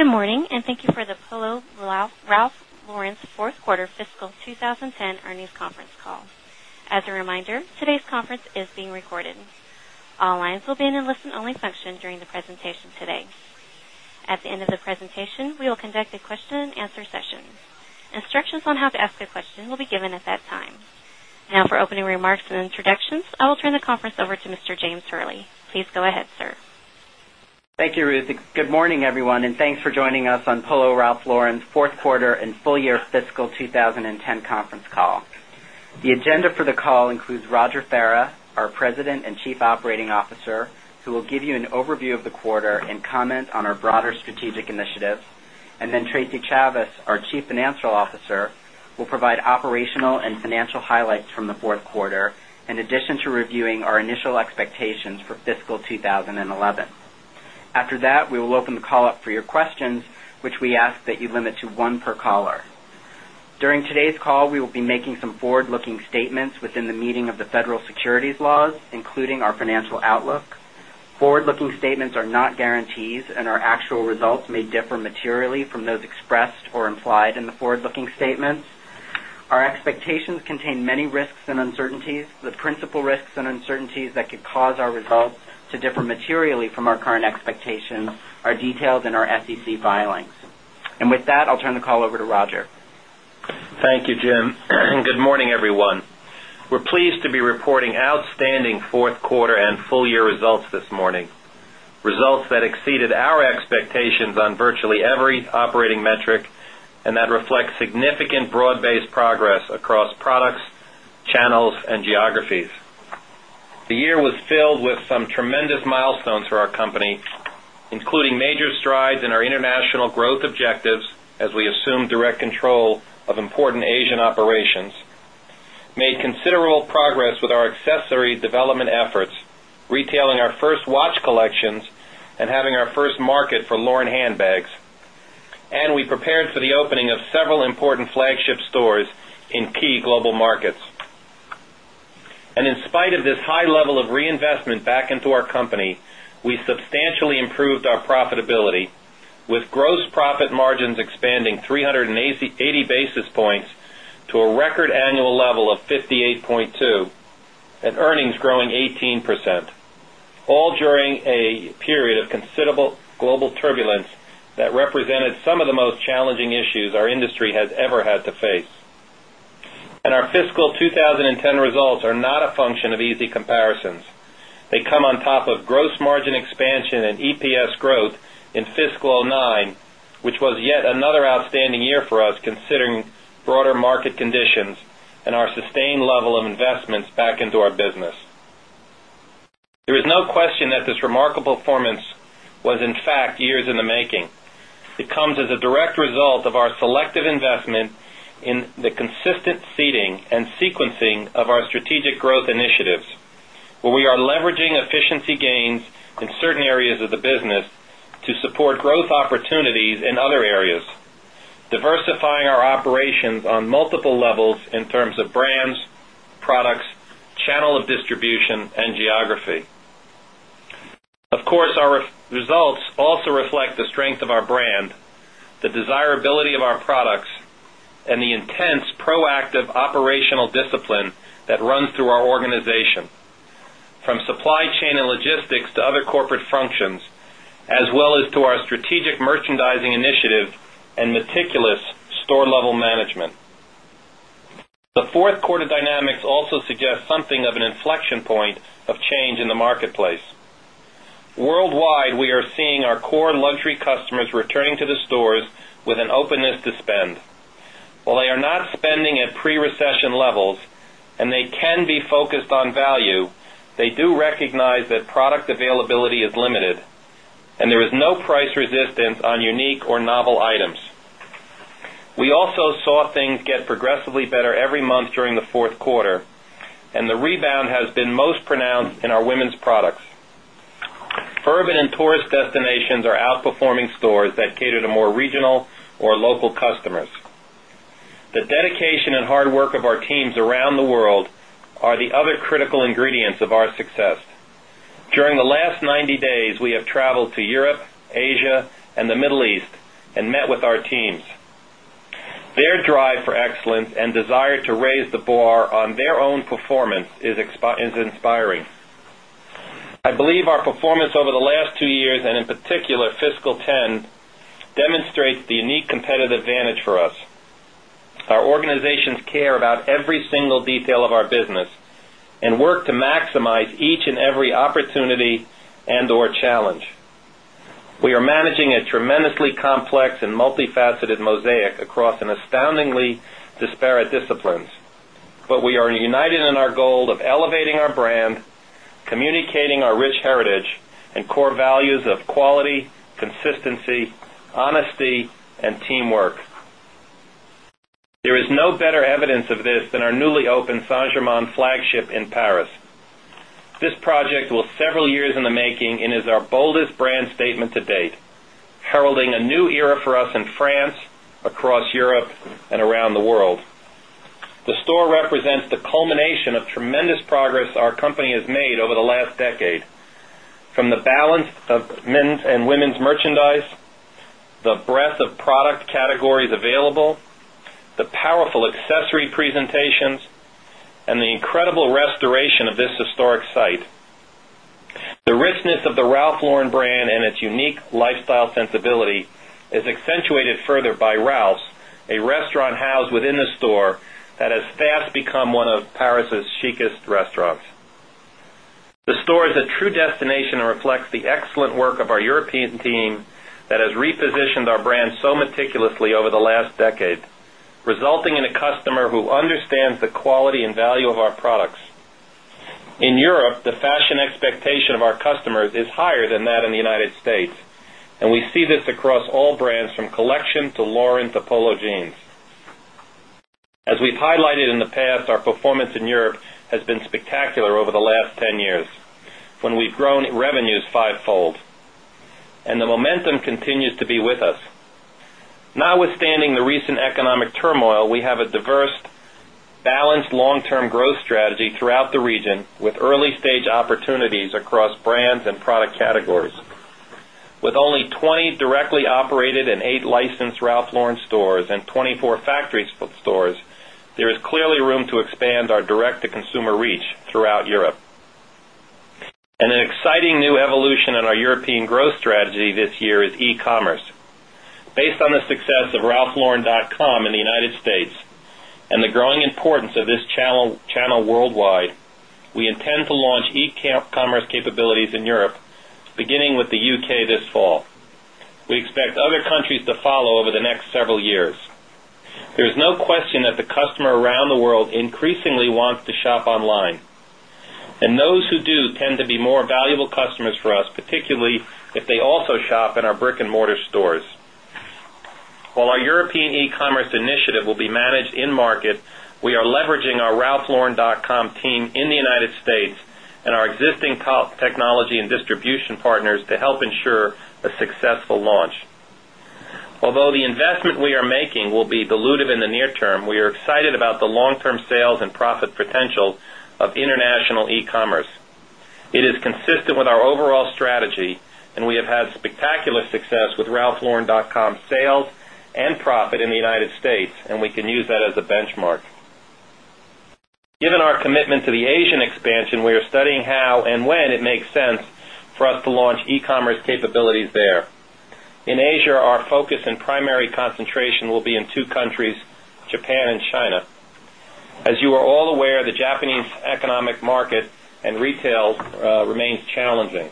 Good morning and thank you for the Polo Ralph Lauren's 4th Quarter Fiscal 20 10 Earnings Conference Call. As a reminder, today's conference is being recorded. All lines will be in a listen only function during the presentation today. At the end of the presentation, we will conduct a question and answer session. Instructions on how to ask a question will be given at that time. Now for opening remarks and introductions, I will turn the conference over to Mr. James Hurley. Please go ahead, sir. Thank you, Ruth. Good morning, everyone, and thanks for joining us on Polo Ralph Lauren's Q4 and full year fiscal 2010 conference call. The agenda for the call includes Roger Ferra, our President and Chief Operating Officer, who will give you an overview of the quarter and comment on our broader strategic initiatives and then Tracy Chavis, our Chief Financial Officer, will provide operational and financial highlights from the Q4 in addition to reviewing our initial expectations for fiscal 2011. After that, we will open the call up for your questions, which we ask that you limit to 1 per caller. During today's call, we will be making some forward looking statements within the meaning of the federal securities laws, including our financial outlook. Forward looking statements are not guarantees and our actual results may differ materially from those expressed or implied in the forward looking statements. Our expectations contain many risks and uncertainties. The principal risks and uncertainties that could cause our results to differ materially from our current expectations are detailed in our SEC filings. And with that, I'll turn the call over to Roger. Thank you, Jim, and good morning, everyone. We're pleased to be reporting outstanding Q4 and full year results this morning. Results that exceeded our expectations on virtually every operating metric and that reflects significant broad based progress across products, channels and geographies. The year was filled with some tremendous milestones for our company, including major strides in our international growth objectives as we assume direct control of important Asian operations, made considerable progress with our accessory development efforts, retailing our first watch collections and having our first market for Lauren handbags, and we prepared for the opening of several important flagship stores in key global markets. And in spite of this high level of reinvestment back into our company, we substantially improved our profitability with gross profit margins expanding 380 basis points to a record annual level of 58.2 percent and earnings growing 18%, all during a period of considerable global turbulence that represented some of the most challenging issues our industry has ever had to face. Our fiscal 2010 results are not a function of easy comparisons. They come on top of gross margin expansion and EPS growth in fiscal 'nine, which was yet another outstanding year for us considering broader market conditions and our sustained level of investments back into our business. There is no question that this remarkable performance was in fact years in the making. It comes as a direct result of our selective investment in the consistent seeding and sequencing of our strategic growth initiatives, where we are leveraging efficiency gains in certain areas of the business to support growth opportunities in other areas, diversifying our operations on multiple levels in terms of brands, products, channel of distribution and geography. Of course, our results also reflect the strength of our brand, the desirability of our products and the intense proactive operational discipline that runs through our organization. From supply chain and logistics to other corporate functions, as well as to our strategic merchandising initiative and meticulous store level management. The 4th quarter dynamics also suggest something of an inflection point of change in the marketplace. Worldwide, we are seeing our core luxury customers returning to the stores with an openness to spend. While they are not spending at pre recession levels and they can be focused on value, they do recognize that product availability is limited and there is no price resistance on unique or novel items. We also saw things get progressively better every month during the Q4 and the rebound has been most pronounced in our women's products. Urban and tourist destinations are outperforming stores that cater to more regional or local customers. The dedication and hard work of our teams around the world are the other critical ingredients of our success. During the last 90 days, we have traveled to Europe, Asia and the Middle East and met with our teams. Their drive for excellence and desire to raise the bar on their own performance is inspiring. I believe our performance over the last 2 years and in particular fiscal 'ten demonstrates the unique competitive advantage for us. Our organizations care about every single detail of our business and work to maximize each and every opportunity and or challenge. We are managing a tremendously complex and multifaceted mosaic across an astoundingly disparate disciplines, but we are united in our goal of elevating our brand, communicating our rich heritage and core values of quality, consistency, honesty and teamwork. There is no better evidence of this than our newly opened Saint Germain flagship in Paris. This project was several years in the making and is our boldest brand statement to date, heralding a new era for us in France, across Europe and around the world. The store represents the culmination of tremendous progress our company has made over the last decade from the balance of men's and women's merchandise, the breadth of product categories available, the powerful accessory presentations and the incredible restoration of this historic site. The richness of the Ralph Lauren brand and its unique lifestyle sensibility is accentuated further by Ralph's, a restaurant house within the store that has fast become one of Paris's chicest restaurants. The store is a true destination and reflects the excellent work of our European team that has repositioned our brand meticulously over the last decade, resulting in a customer who understands the quality and value of our products. In Europe, the fashion expectation of our customers is higher than that in the United States, and we see this across all brands from collection to Lauren to Polo Jeans. As we've highlighted in the past, our performance in Europe has been spectacular over the last 10 years, when we've grown revenues fivefold. And the momentum continues to be with us. Notwithstanding the recent economic turmoil, we have a diverse balanced long term growth strategy throughout the region with early stage opportunities across brands and product categories. With only 20 directly operated and 8 licensed Ralph Lauren stores and 24 factory stores, there is clearly room to expand our direct to consumer reach throughout Europe. An exciting new evolution in our European growth strategy this year is e commerce. Based on the success of ralphlauren.com in the United States and the growing importance of this channel worldwide, we intend to launch e commerce capabilities in Europe, beginning with the U. K. This fall. We expect other countries to follow over the next several years. There is no question that the customer around the world increasingly wants to shop online. And those who do tend to be more valuable customers for us, particularly if they also shop in our brick and mortar stores. While our European e commerce initiative will be managed in market, we are leveraging our ralphlauren.com team in the United States and our existing top technology and distribution partners to help ensure a successful launch. Although the investment we are making will be dilutive in the near term, we are excited about the long term sales and profit potential of international e commerce. It is consistent with our overall strategy and we have had spectacular success with ralphlauren.com sales and profit in the United States and we can use that as a benchmark. Given our commitment to the Asian expansion, we are studying how and when it makes sense for us to launch e commerce capabilities there. In Asia, our focus and primary concentration will be in 2 countries, Japan and China. As you are all aware, the Japanese economic market and retail remains challenging.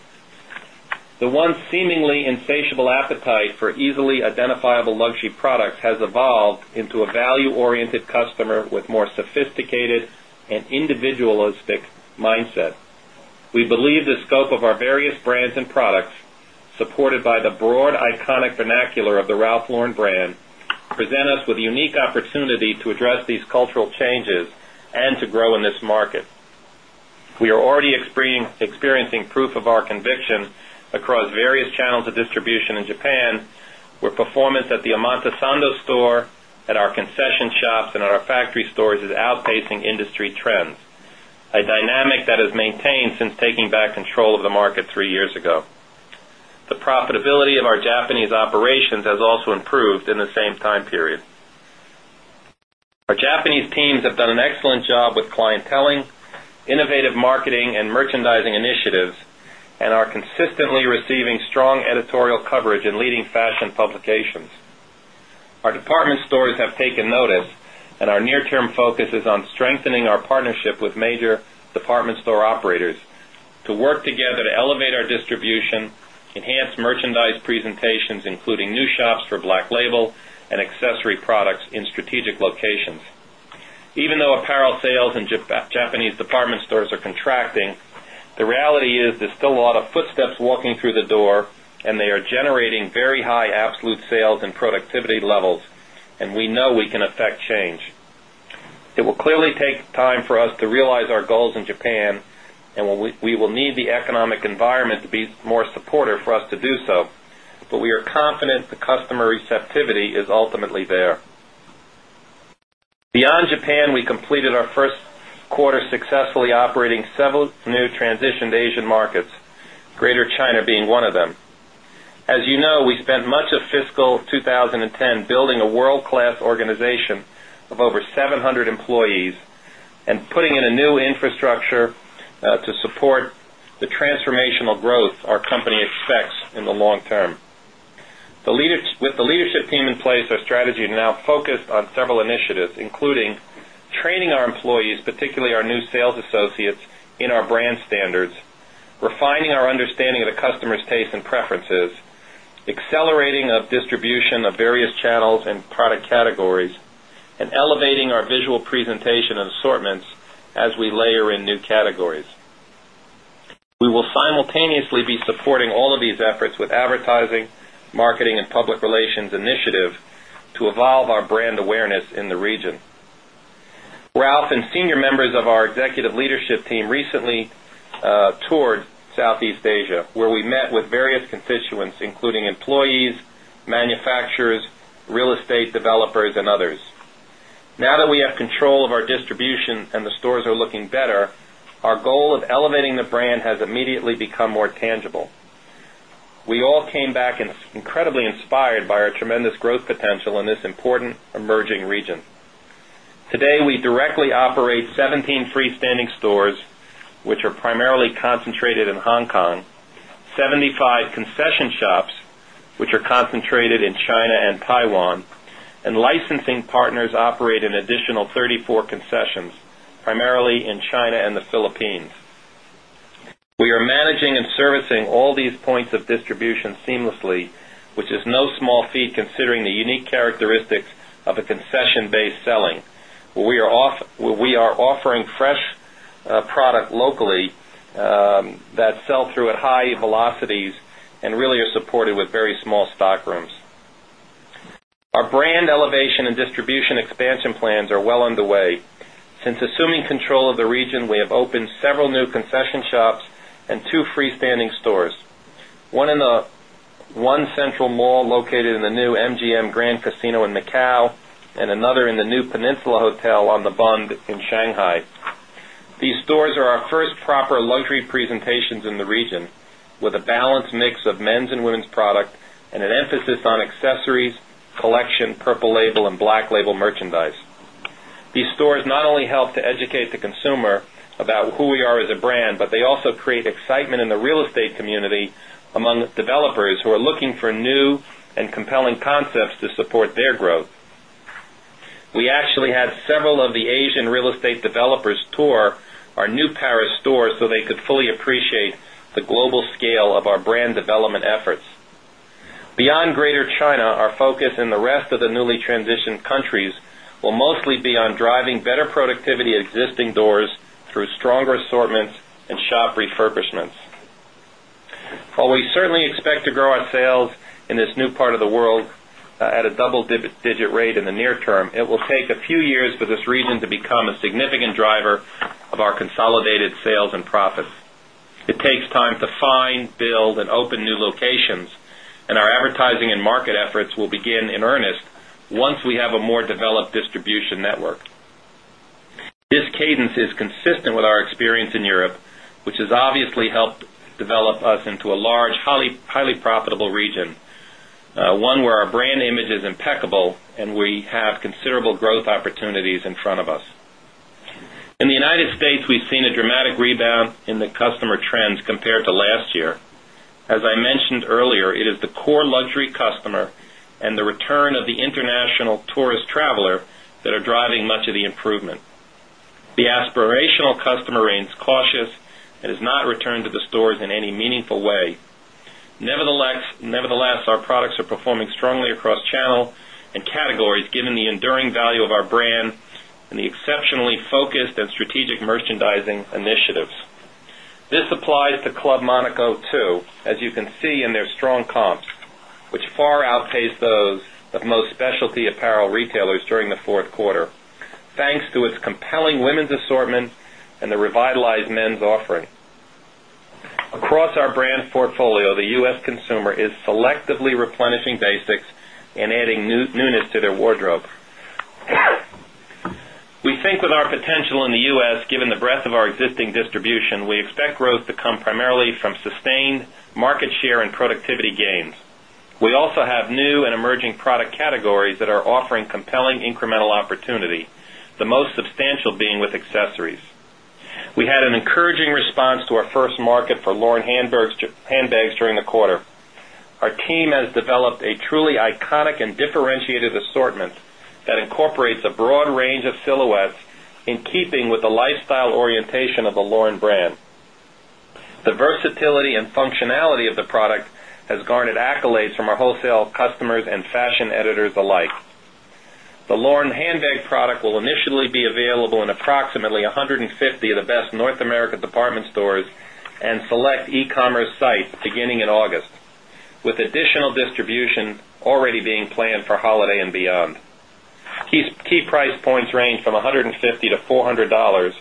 The one seemingly insatiable appetite for easily identifiable luxury products has evolved into a value oriented customer with more sophisticated and individualistic mindset. We believe the scope of our various brands and products supported by the broad iconic vernacular of the Ralph Lauren brand present us with unique opportunity to address these cultural changes and to grow in this market. We are already experiencing proof of our conviction across various channels of distribution in Japan, where performance at the Amanta Sandoz store, at our concession shops and our factory stores is outpacing industry trends, a dynamic that has maintained since taking back control of the market 3 years ago. The profitability of our Japanese operations has also improved in the same time period. Our Japanese teams have done an excellent job with clienteling, innovative marketing and merchandising initiatives and are consistently receiving strong editorial coverage in leading fashion publications. Our department stores have taken notice and our near term focus is on strengthening our partnership with major department store operators to work together to elevate our distribution, enhance merchandise presentations, including new shops for Black Label and accessory products in strategic locations. Even though apparel sales in Japanese department stores are contracting, the reality is there's still a lot of footsteps walking through the door and they are generating very high absolute sales and productivity levels, and we know we can affect change. It will clearly take time for us to realize our goals in Japan, and we will need the economic environment to be more supportive for us to do so, but we are confident the customer receptivity is ultimately there. Beyond Japan, we completed our Q1 successfully operating several new transitioned Asian markets, Greater China being one of them. As you know, we spent much of fiscal 2010 building a world class organization of over 700 employees and putting in a new infrastructure to support the transformational growth our company expects in the long term. With the leadership team in place, our strategy is now focused on several initiatives, including training our employees, particularly our new sales associates in our brand standards refining our understanding of the customers' taste and preferences accelerating of distribution of various channels and product categories and elevating our visual presentation and assortments as we layer in new categories. We will simultaneously be supporting all of these efforts with advertising, marketing and public relations initiative to evolve our brand awareness in the region. Ralph and senior members of our executive leadership team recently toured Southeast Asia, where we met with various constituents, including employees, manufacturers, real estate developers and others. Now that we have control of our distribution and the stores are looking better, our goal of elevating the brand has immediately become more tangible. We all came back incredibly inspired by our tremendous growth potential in this important emerging region. Today, we directly operate 17 freestanding stores, which are primarily concentrated in Hong Kong, 75 concession shops, which are concentrated in China and Taiwan, and licensing partners operate an additional 34 concessions, primarily in China and the Philippines. We are managing and servicing all these points of distribution seamlessly, which is no small feat considering the unique characteristics of a concession based selling. We are offering fresh product locally that sell through at high velocities and really are supported with very small stockrooms. Our brand elevation and distribution expansion plans are well underway. Since assuming control of the region, we have opened several new concession shops and 2 freestanding stores. 1 in the 1 Central Mall located in the new MGM Grand Casino in Macau and another in the New Peninsula Hotel on The Bund in Shanghai. These stores are our 1st proper luxury presentations in the region with a balanced mix of men's and women's product and an emphasis on accessories, collection, Purple Label and Black Label merchandise. These stores not only help to educate the consumer about who we are as a brand, but they also create excitement in the real estate community among developers who are looking for new and compelling concepts to support their growth. We actually had several of the Asian real estate developers tour our new Paris stores so they could fully appreciate the global scale of our brand development efforts. Beyond Greater China, our focus in the rest of the newly transitioned countries will mostly be on driving better productivity at existing doors through stronger assortments and shop refurbishments. While we certainly expect to grow our sales in this new part of the world at a double digit rate in the near term, it will take a few years for this reason to become a significant driver of our consolidated sales and profits. It takes time to find, build and open new locations and our advertising and market efforts will begin in earnest once we have a more developed distribution network. This cadence is consistent with our experience in Europe, which has obviously helped develop us into a large highly profitable region, one where our brand image is impeccable and we have considerable growth opportunities in front of us. In the United States, we've seen a dramatic rebound in the customer trends compared to last year. As I mentioned earlier, it is the core luxury customer and the return of the international tourist traveler that are driving much of the improvement. The aspirational customer remains cautious and has not returned to the stores in any meaningful way. Nevertheless, our products are performing strongly across channel and categories given the enduring value of our brand and the exceptionally focused and strategic merchandising initiatives. This applies to Club Monaco too, as you can see in their strong comps, which far outpaced those of most specialty apparel retailers during the Q4, thanks to its compelling women's assortment and the revitalized men's offering. Across our brand portfolio, the U. S. Consumer is selectively replenishing basics and adding newness to their wardrobe. We think with our potential in the U. S. Given the breadth of our existing distribution, we expect growth to come primarily from sustained market share and productivity gains. We also have new and emerging product categories that are offering compelling incremental opportunity, the most substantial being with accessories. We had an encouraging response to our first market for Lauren handbags during the quarter. Our team has developed a truly iconic and differentiated assortment that incorporates a broad range of silhouettes in keeping with the lifestyle orientation of the Lauren brand. The versatility and functionality of the product has garnered accolades from our wholesale customers and fashion editors alike. The Lauren handbag product will initially be available in approximately 150 of the best North America department stores and select e commerce sites beginning in August, with additional distribution already being planned for holiday and beyond. Key price points range from $150 to $400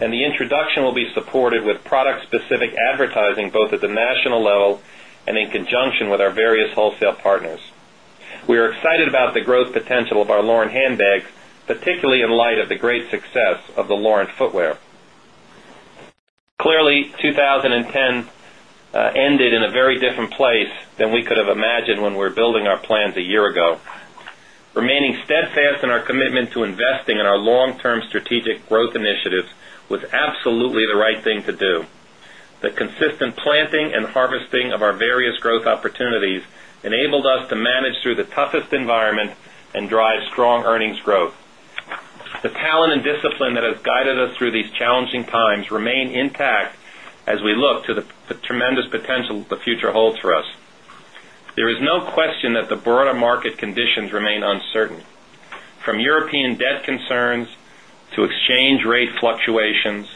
and the introduction will be supported with product specific advertising both at the national level and in conjunction with our various wholesale partners. We are excited about the growth potential of our Lauren handbags, particularly in light of the great success of the Lauren footwear. Clearly, 2010 ended in a very different place than we could imagine when we're building our plans a year ago. Remaining steadfast in our commitment to investing in our long term strategic growth initiatives was absolutely the right thing to do. The consistent planting and harvesting of our various growth opportunities enabled us to manage through the toughest environment and drive strong earnings growth. The talent and discipline that has guided us through these challenging times remain intact as we look to the tremendous potential the future holds for us. There is no question that the broader market conditions remain uncertain. From European debt concerns to exchange rate fluctuations,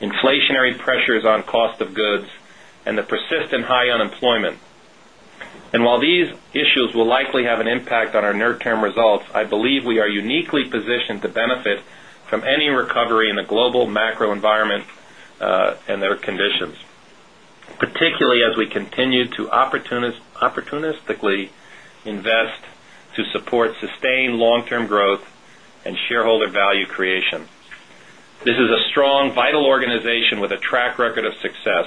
inflationary pressures on cost of goods and the persistent high unemployment. And while these issues will likely have an impact on our near term results, I believe we are uniquely positioned to benefit from any recovery in the global macro environment and their conditions, particularly as we continue to opportunistically invest to support sustained long term growth and shareholder value creation. This is a strong vital organization with a track record of success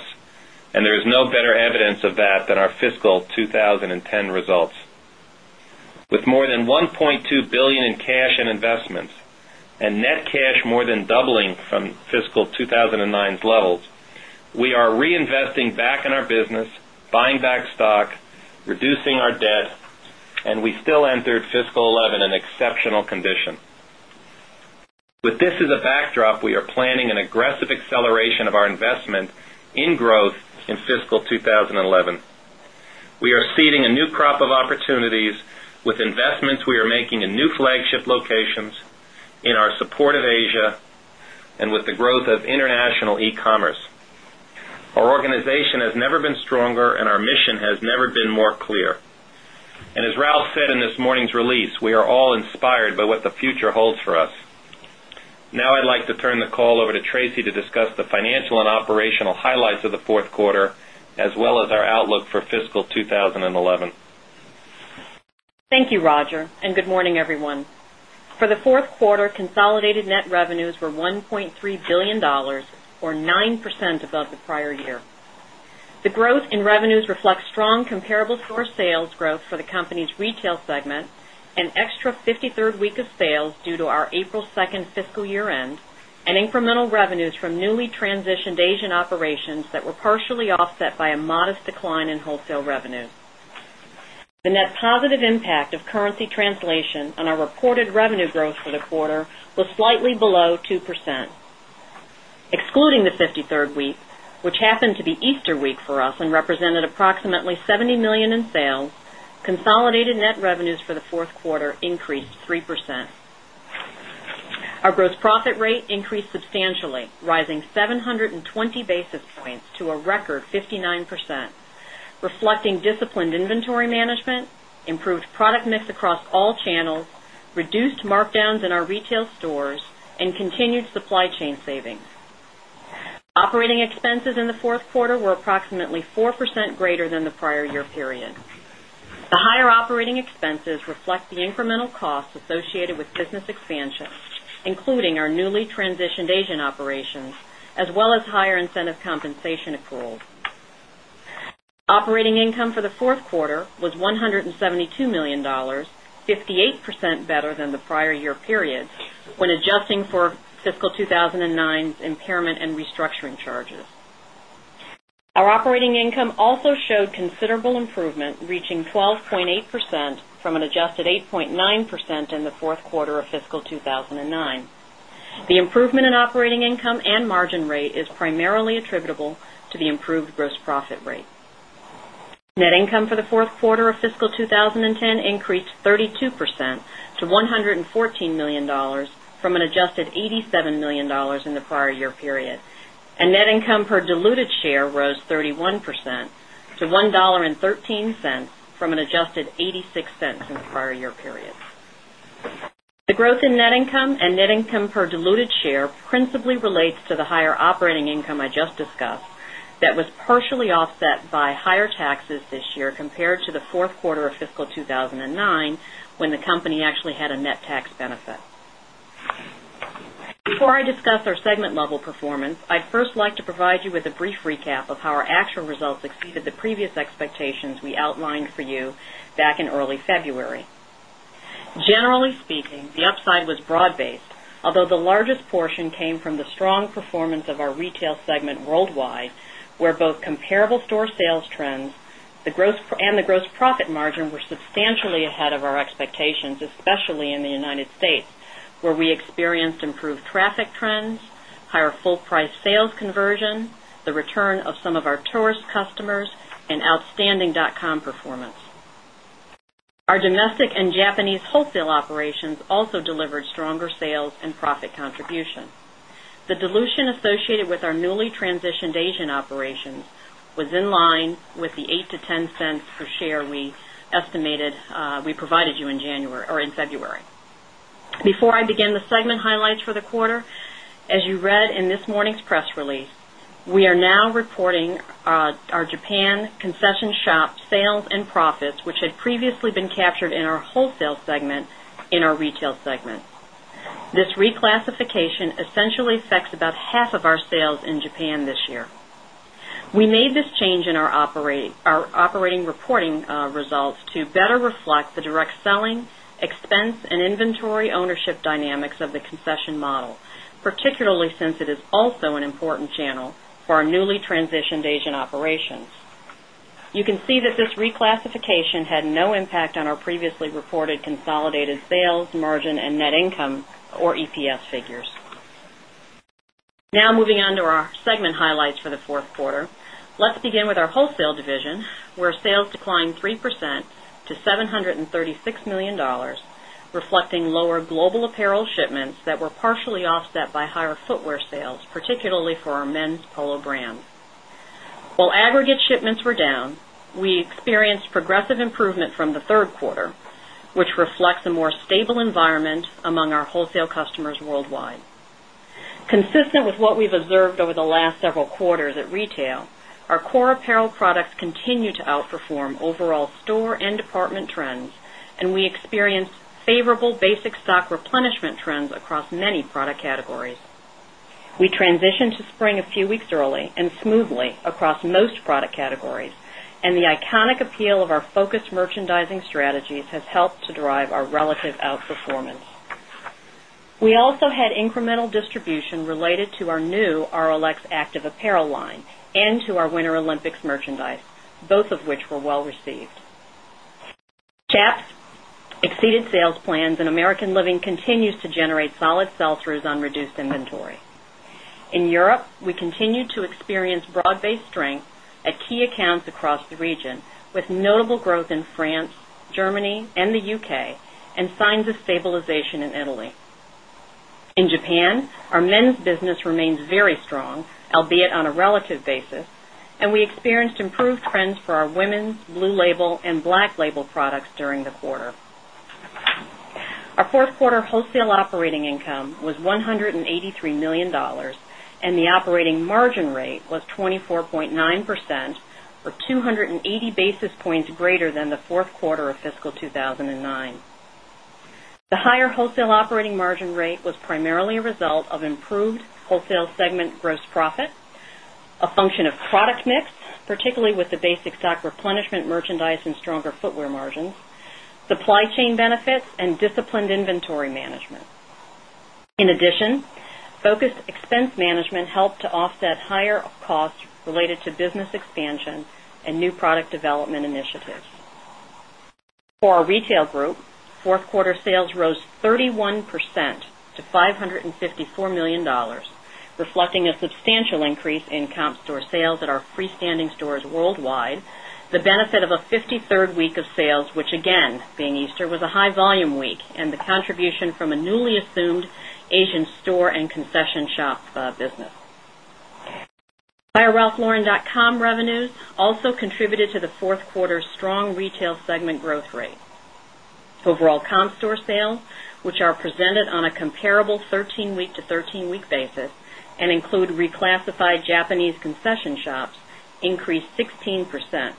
and there is no better evidence of that than our fiscal 2010 results. With more than $1,200,000,000 in cash and investments and net cash more than doubling from fiscal 20 9 levels, we are reinvesting back in our business, buying back stock, reducing our debt and we still entered fiscal 2011 in exceptional condition. With this as a backdrop, we are planning an aggressive acceleration of our investment in growth in fiscal 2011. We are seeding a new crop of opportunities with investments we are making in new flagship locations in our support of Asia and with the growth of international e commerce. Our organization has never been stronger and our mission has never been more clear. And as Ralph said in this morning's release, we are all inspired by what the future holds for us. Now I'd like to turn the call over to Tracy to discuss the financial and operational highlights of the Q4 as well as our outlook for fiscal 2011. Thank you, Roger, and good morning, everyone. For the Q4, consolidated net revenues were $1,300,000,000 or 9% above the prior year. The growth in revenues reflects strong comparable store sales growth for the company's retail segment and extra 53rd week of sales due to our April 2 fiscal year end and incremental revenues from newly transitioned Asian operations that were partially offset by a modest decline in wholesale revenues. The net positive impact of currency translation on our reported revenue growth for the quarter was slightly below 2%. Excluding the 53rd week, which happened to be Easter week for us and represented approximately $70,000,000 in sales, consolidated net revenues for the 4th quarter increased 3%. Our gross profit rate increased substantially, rising 7 20 basis points to a record 59%, reflecting disciplined inventory management, improved product mix across all channels, reduced markdowns in our retail stores and continued supply chain savings. Operating expenses in the 4th quarter were approximately 4% greater than the prior year period. The higher operating expenses reflect the incremental costs associated with business expansion, including our newly transitioned Asian operations as well as higher incentive compensation accrual. Operating income for the Q4 was $172,000,000 58 percent better than the prior year period when adjusting for fiscal 2,009 impairment and restructuring charges. Our operating income also showed considerable improvement reaching 12.8 percent from an adjusted 8.9% in the Q4 of fiscal 2,009. The improvement in operating income and margin rate is primarily attributable to the improved gross profit rate. Net income for the Q4 of fiscal 2010 increased 32 percent to $114,000,000 from an adjusted $87,000,000 in the prior year period. And net income per diluted share rose 31 percent to 1 $0.13 from an adjusted $0.86 in the prior year period. The growth in net income and net income per diluted share principally relates to the higher operating income I just discussed that was partially offset by higher taxes this year compared to the Q4 of fiscal 2,009 when the company actually had a net tax benefit. Before I discuss our segment level performance, I'd first like provide you with a brief recap of how our actual results exceeded the previous expectations we outlined for you back in early February. Generally speaking, the upside was broad based, although the largest portion came from the strong the strong performance of our retail segment worldwide, where both comparable store sales trends and the gross profit margin were substantially ahead of our expectations, especially in the United States, where we experienced improved traffic trends, higher full price sales conversion, the return of some of our tourist customers and conversion, the return of some of our tourist customers and outstanding dotcom performance. Our domestic and Japanese wholesale operations also delivered stronger sales and profit contribution. The dilution associated with our newly transitioned Asian operations was in line with the $0.08 to $0.10 per share we estimated we provided you in January or in February. Before I begin segment highlights for the quarter, as you read in this morning's press release, we are now reporting our Japan concession shop sales and profits, which had previously been captured in our wholesale segment in our retail segment. This reclassification essentially affects about half of our sales in Japan this year. We made this change in our operating reporting results to better reflect the direct selling, expense and inventory ownership dynamics of the concession model, particularly since it is also an important channel for our newly transitioned Asian operations. You can see that this reclassification had no impact on our previously reported consolidated sales, margin and net income or EPS figures. Now moving on to our segment highlights for the Q4. Let's begin with our wholesale division, where sales declined 3% to $736,000,000 reflecting lower global apparel shipments that were partially offset by higher footwear sales, particularly for our men's Polo brand. While aggregate shipments were down, we experienced progressive improvement from the 3rd quarter, which reflects a more stable environment among our wholesale customers worldwide. Consistent with what we've observed over the last several quarters at retail, our core apparel products continue to outperform overall store and department trends and we experienced favorable basic stock replenishment trends across many product categories. We transitioned to spring a few weeks early and smoothly across most product categories and the iconic appeal of our focused merchandising strategies has helped to drive our relative outperformance. We also had incremental distribution related to our new ROX active apparel line and to our Winter Olympics merchandise, both of which were well received. CHAPS exceeded sales plans and American Living continues to generate solid sell throughs on reduced inventory. In Europe, we continued to experience broad based strength at key accounts across the region with notable growth in France, Germany and the UK and signs of stabilization in Italy. In Japan, our men's business remains very strong, albeit on a relative basis, and we experienced improved trends for our women's, blue label and black label products during the quarter. Our 4th quarter wholesale operating income was $183,000,000 and the operating margin rate was 24.9 percent or 2 80 basis points greater than the Q4 of fiscal 2009. The higher wholesale operating margin rate was primarily a result of improved wholesale segment gross profit, a function of product mix, particularly with the basic stock replenishment merchandise and stronger footwear margins, supply chain benefits and disciplined inventory management. In addition, focused expense management helped to offset higher costs related to business expansion and new product development initiatives. For our retail group, 4th quarter sales rose 31% to $554,000,000 reflecting a substantial increase in comp store sales at our freestanding stores worldwide, the benefit of a 53rd week of sales, which again being Easter was a high volume week and higheralphlauren.comrevenues also contributed to the 4th quarter's strong retail segment growth rate. Overall comp store sales, which are presented on a comparable 13 week to 13 week basis and include reclassified Japanese concession shops, increased 16%,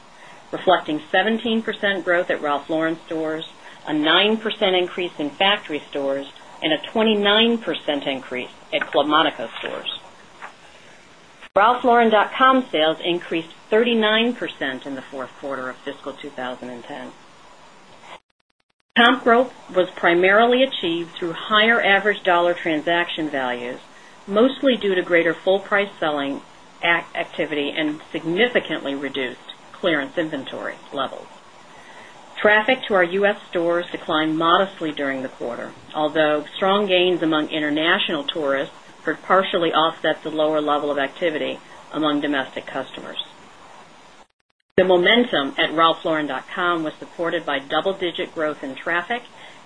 reflecting 17% growth at Ralph Lauren stores, a 9% increase in factory stores and a 29% ralphlauren.com sales increased 39% in the Q4 of fiscal 2010. Comp growth was primarily achieved through higher average dollar transaction values, mostly due to greater full price selling activity and significantly reduced clearance inventory levels. Traffic to our U. S. Stores declined modestly during the quarter, although strong gains among international tourists could partially offset the lower level of activity among domestic customers. The momentum at ralphlauren.com was supported by double digit growth in traffic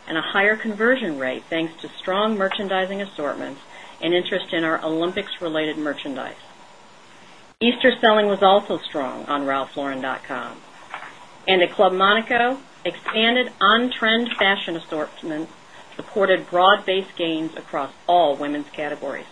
and a higher conversion rate, thanks to strong merchandising assortments and interest in our Olympics related merchandise. Easter selling was also strong on ralphlauren.com. And at Club Monaco, expanded on trend fashion assortments supported broad based gains across all women's categories.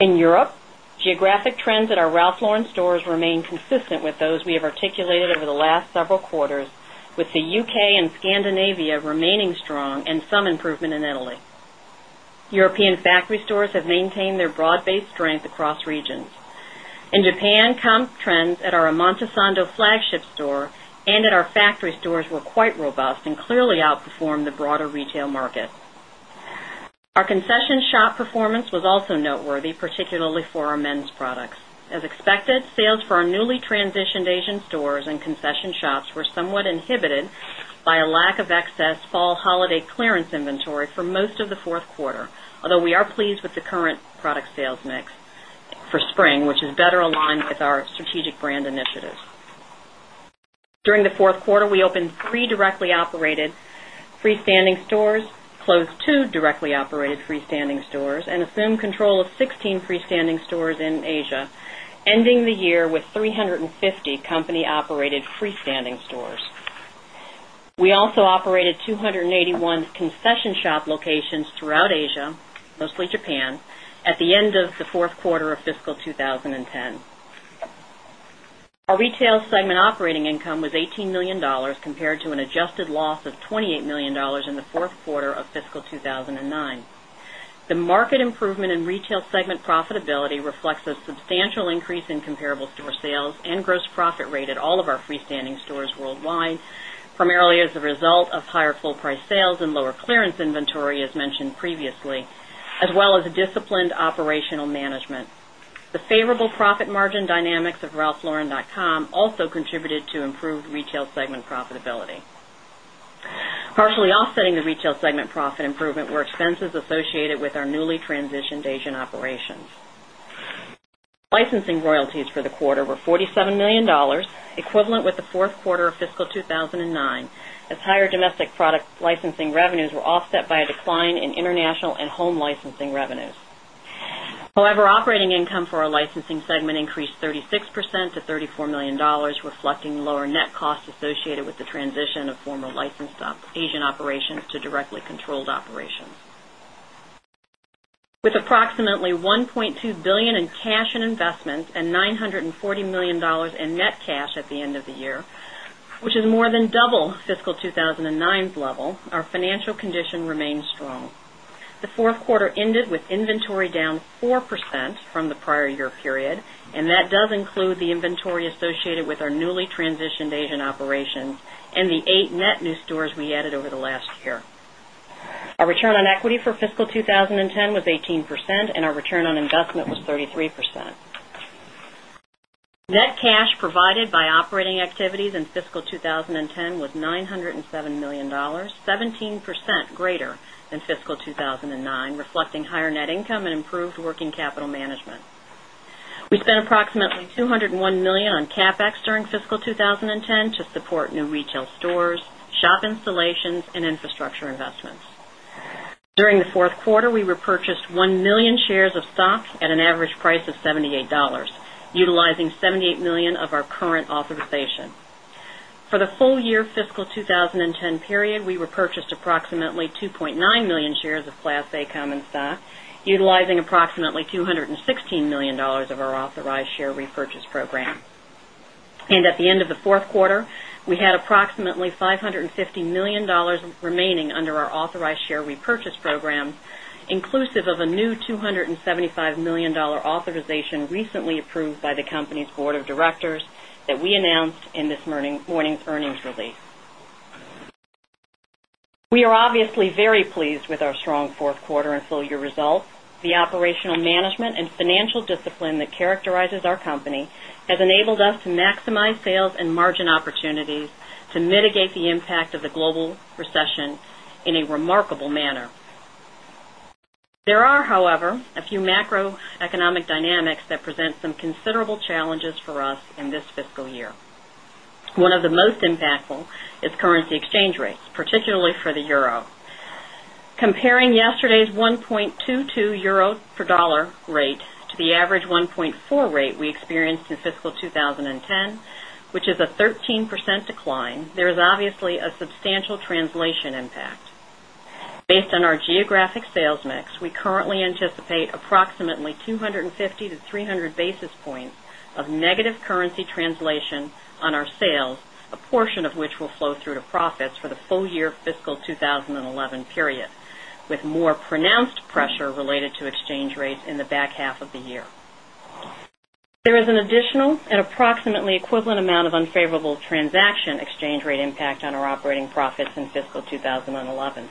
In Europe, geographic trends at our Ralph Lauren stores remain consistent with those we have articulated over the last several quarters with the UK and Scandinavia remaining strong and some improvement in Italy. European factory stores have maintained their broad based strength across regions. In Japan, comp trends at our Amontosando flagship store and at our factory stores were quite robust and clearly outperformed the broader retail market. Our concession shop performance was also noteworthy, particularly for our men's products. As expected, sales for our newly transitioned Asian stores and concession shops were somewhat inhibited by a lack of excess fall holiday clearance inventory for most of the Q4, although we are pleased with the current product sales mix for spring, which is better aligned with our strategic brand initiatives. During the Q4, we opened 3 directly operated freestanding stores, closed 2 directly operated freestanding stores and closed 2 directly operated freestanding stores and assumed control of 16 freestanding stores in Asia, ending the year with 350 company operated freestanding stores. We also operated 281 concession shop locations throughout Asia, mostly Japan, at the end of the Q4 of fiscal of fiscal 2010. Our retail segment operating income was $18,000,000 compared to an adjusted loss of $28,000,000 in the Q4 of fiscal 2,009. The market improvement in retail segment profitability reflects a substantial increase in comparable store sales and gross profit rate at all of our freestanding stores worldwide, primarily as a result of higher full price sales and lower clearance inventory as mentioned previously, as well as a disciplined operational management. The favorable profit margin dynamics of ralphlauren.com also contributed to improved retail segment profitability. Partially offsetting the retail segment profit improvement were expenses associated with our newly transitioned Asian operations. Licensing royalties for the quarter were $47,000,000 equivalent with the Q4 of fiscal 2,009 as higher domestic product licensing revenues were offset by a decline in international and home licensing revenues. However, operating income for our licensing segment increased 36 percent to $34,000,000 reflecting lower net costs associated with the transition of former licensed Asian operations to directly controlled operations. With approximately $1,200,000,000 in cash and investments and $940,000,000 in net cash at the end of the year, which is more than double fiscal 2,009 level, our financial condition remains strong. The Q4 ended with inventory down 4% from the prior year period, and that does include the inventory associated with our newly transitioned Asian operations and the 8 net new stores we added over the last year. Our return on equity for fiscal 2010 was 18% and our return on investment was 33%. Net cash provided by operating activities in fiscal 2010 was $907,000,000 17% greater than fiscal 2009, reflecting higher net income and improved working capital management. We spent approximately $201,000,000 on CapEx during fiscal 2010 to support new retail stores, shop installations and infrastructure investments. During the Q4, we repurchased 1,000,000 shares of stock at an average price of $78 utilizing $78,000,000 of our current authorization. For the full year fiscal 2010 period, we repurchased approximately 2 900,000 shares of Class A common stock, utilizing approximately $216,000,000 of our authorized share repurchase program. And at the end of the Q4, we had approximately 5 $50,000,000 remaining under our authorized share repurchase program, inclusive of a new $275,000,000 authorization recently approved by the company's Board of Directors that we announced in this morning's earnings release. We are obviously very pleased with our strong Q4 and full year results. The operational management and financial discipline that characterizes our company has enabled us to maximize sales and margin opportunities to mitigate the impact of the global recession in a remarkable manner. There are, however, a few macroeconomic dynamics that present some considerable challenges for us in this fiscal year. 1 of the most impactful is currency exchange rates, particularly for the euro. Comparing yesterday's €1.22 per dollar rate to the average €1.4 rate we experienced in fiscal 20 10, which is a 13 10, which is a 13% decline, there is obviously a substantial translation impact. Based on our geographic sales mix, we currently anticipate approximately 250 basis points to 300 basis points of negative currency translation on our sales, a portion of which will flow through to profits for the full year fiscal 2011 period, with more pronounced pressure related to exchange rates in the back half of the year. There is an additional and approximately equivalent amount of unfavorable transaction exchange rate impact on our operating profits in fiscal 2011.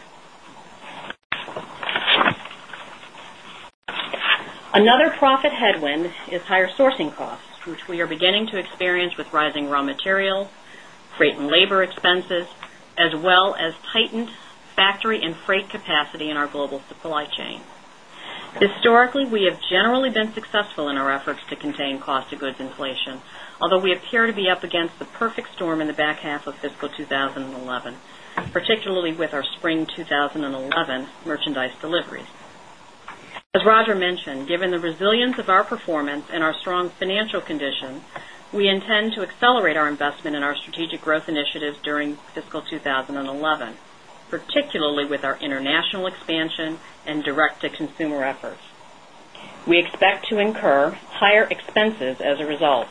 Another profit headwind is higher sourcing costs, which we are beginning to experience with rising raw material, freight and labor expenses as well as tightened factory and freight capacity in our global supply chain. Historically, we have generally been successful in our efforts to contain cost of goods inflation, although we appear to be up against the perfect storm in the back half of fiscal twenty eleven, particularly with our spring 2011 merchandise deliveries. As Roger mentioned, given the resilience of our performance and our strong financial condition, we intend to accelerate our investment in our strategic growth initiatives during fiscal 2011, particularly with our international expansion and direct to consumer efforts. We expect to incur higher expenses as a result.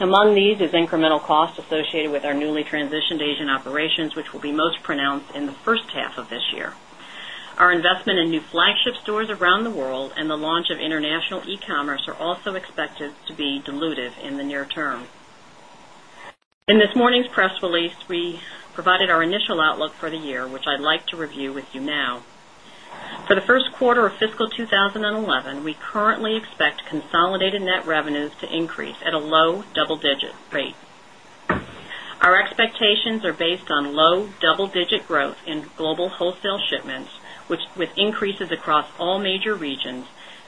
Among these is incremental costs associated with our newly transitioned Asian operations, which will be most pronounced in the first half of this year. Our investment in new flagship stores around the world and the launch of international e commerce are also expected to be dilutive in the near term. In this morning's press release, we provided our initial outlook for the year, which I'd like to review with you now. For the Q1 of fiscal 2011, we currently expect consolidated net revenues to increase at a low double digit rate. Our expectations are based on low double digit growth in global wholesale shipments, which with increases across all major regions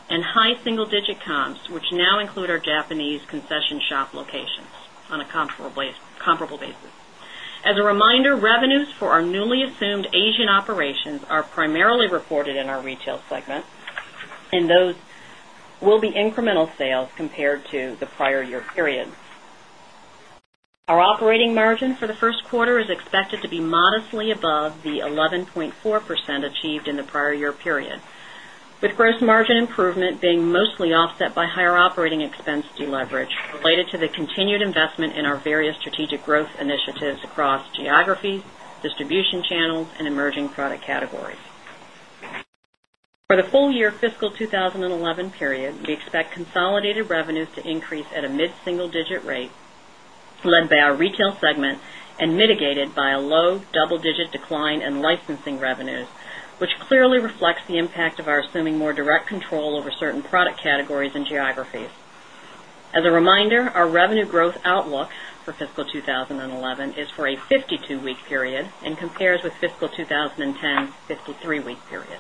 and high single digit comps, which now include our Japanese concession shop locations on a comparable basis. As a reminder, revenues for our newly assumed Asian operations are primarily reported in our retail segment and those will be incremental sales compared to the prior year period. Our operating margin for the Q1 is Our operating margin for the Q1 is expected to be modestly above the 11.4% achieved in the prior year period, with gross margin improvement being mostly offset by higher operating expense deleverage related to the continued investment in our various strategic growth initiatives across geographies, distribution channels and emerging product categories. 2011 period, we expect consolidated revenues to increase at a mid single digit rate, led by our retail segment and mitigated by a low double digit decline in licensing revenues, which clearly reflects the impact of our assuming more direct control over certain product categories and geographies. As a reminder, our revenue growth outlook for fiscal 2011 is for a 52 week period and compares with fiscal 20 10, 53 week period.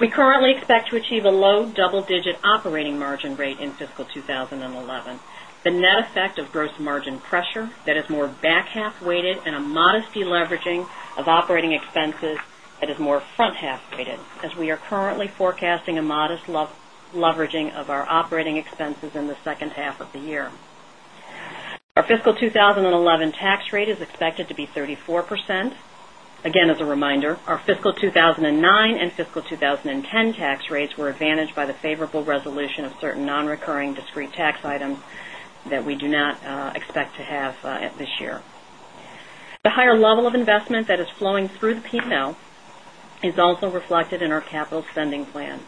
We currently expect to achieve a low double digit operating margin rate in fiscal 2011. The net effect of gross margin pressure that is more back half weighted and a modest deleveraging of operating expenses that is more front half weighted as we are currently forecasting a modest leveraging of our operating expenses in the second half of the year. Our fiscal 2011 tax rate is expected to be 34%. Again, as a reminder, our fiscal 2019 fiscal 2010 tax rates were advantaged by the favorable resolution of certain non recurring discrete tax items that we do not expect to have this year. The higher level of investment that is flowing through the P and L is also reflected in our capital spending plan.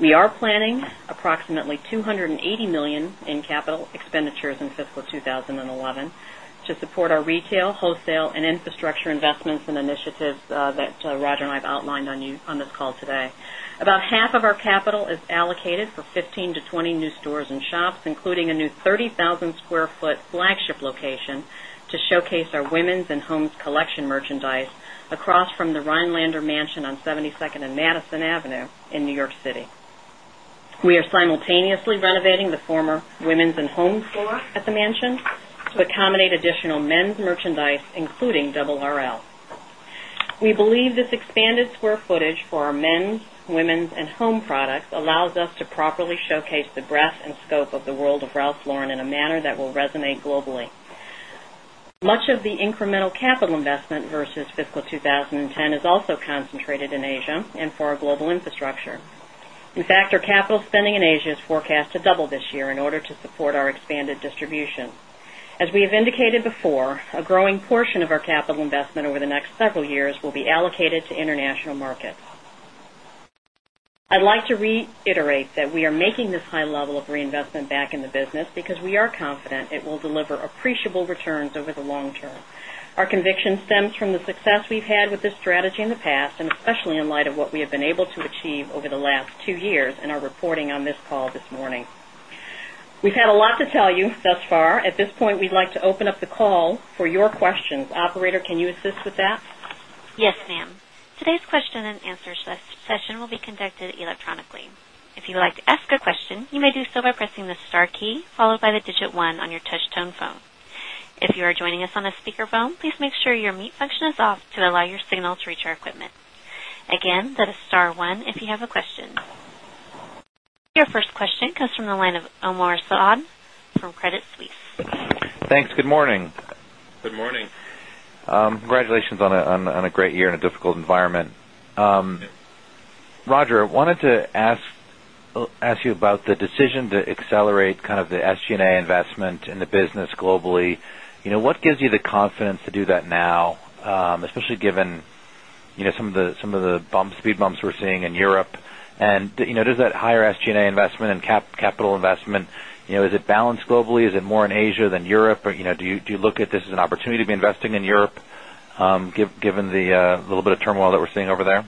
We are planning approximately €280,000,000 in capital expenditures in fiscal 2011 to support our retail, wholesale and infrastructure investments and initiatives that Roger and I've outlined on this call today. About half of our capital is allocated for 15 to 20 new stores and shops, including a new 30,000 square foot flagship location to showcase our women's and homes collection merchandise across from the Rhinelander mansion on 72nd and Madison Avenue in New York City. We are simultaneously renovating the former women's and home floor at the mansion to accommodate additional men's merchandise, including our men's, women's and home products allows us to properly showcase the breadth and scope of the world of Ralph Lauren in a manner that will resonate globally. Much of the incremental capital investment versus fiscal 20 investment over the next several years will be allocated to international markets. I'd like to reiterate that we are making this high level of reinvestment back in the business because we are confident it will deliver appreciable returns over the long term. Our conviction stems from the success we've had with this strategy in the past and especially in light of what we have been able to achieve over the last 2 years and are reporting on this call this morning. We've had a lot to tell you thus far. At this point, we'd like to open up the call for your questions. Operator, can you assist with that? Yes, ma'am. Today's question and answer session will be conducted electronically. Your first question comes from the line of Omar Saad from Credit Suisse. Thanks. Good morning. Good morning. Congratulations on a great year in a difficult environment. Roger, I wanted to ask you about the decision to accelerate kind of the SG and A investment in the business globally. What gives you the confidence to do that now, especially given some of the speed bumps we're seeing in Europe? And does that higher SG and A investment and capital investment, is it balanced globally? Is it more in Asia than Europe? Or do you look at this as an opportunity to be investing in Europe, given the little bit of turmoil that we're seeing over there?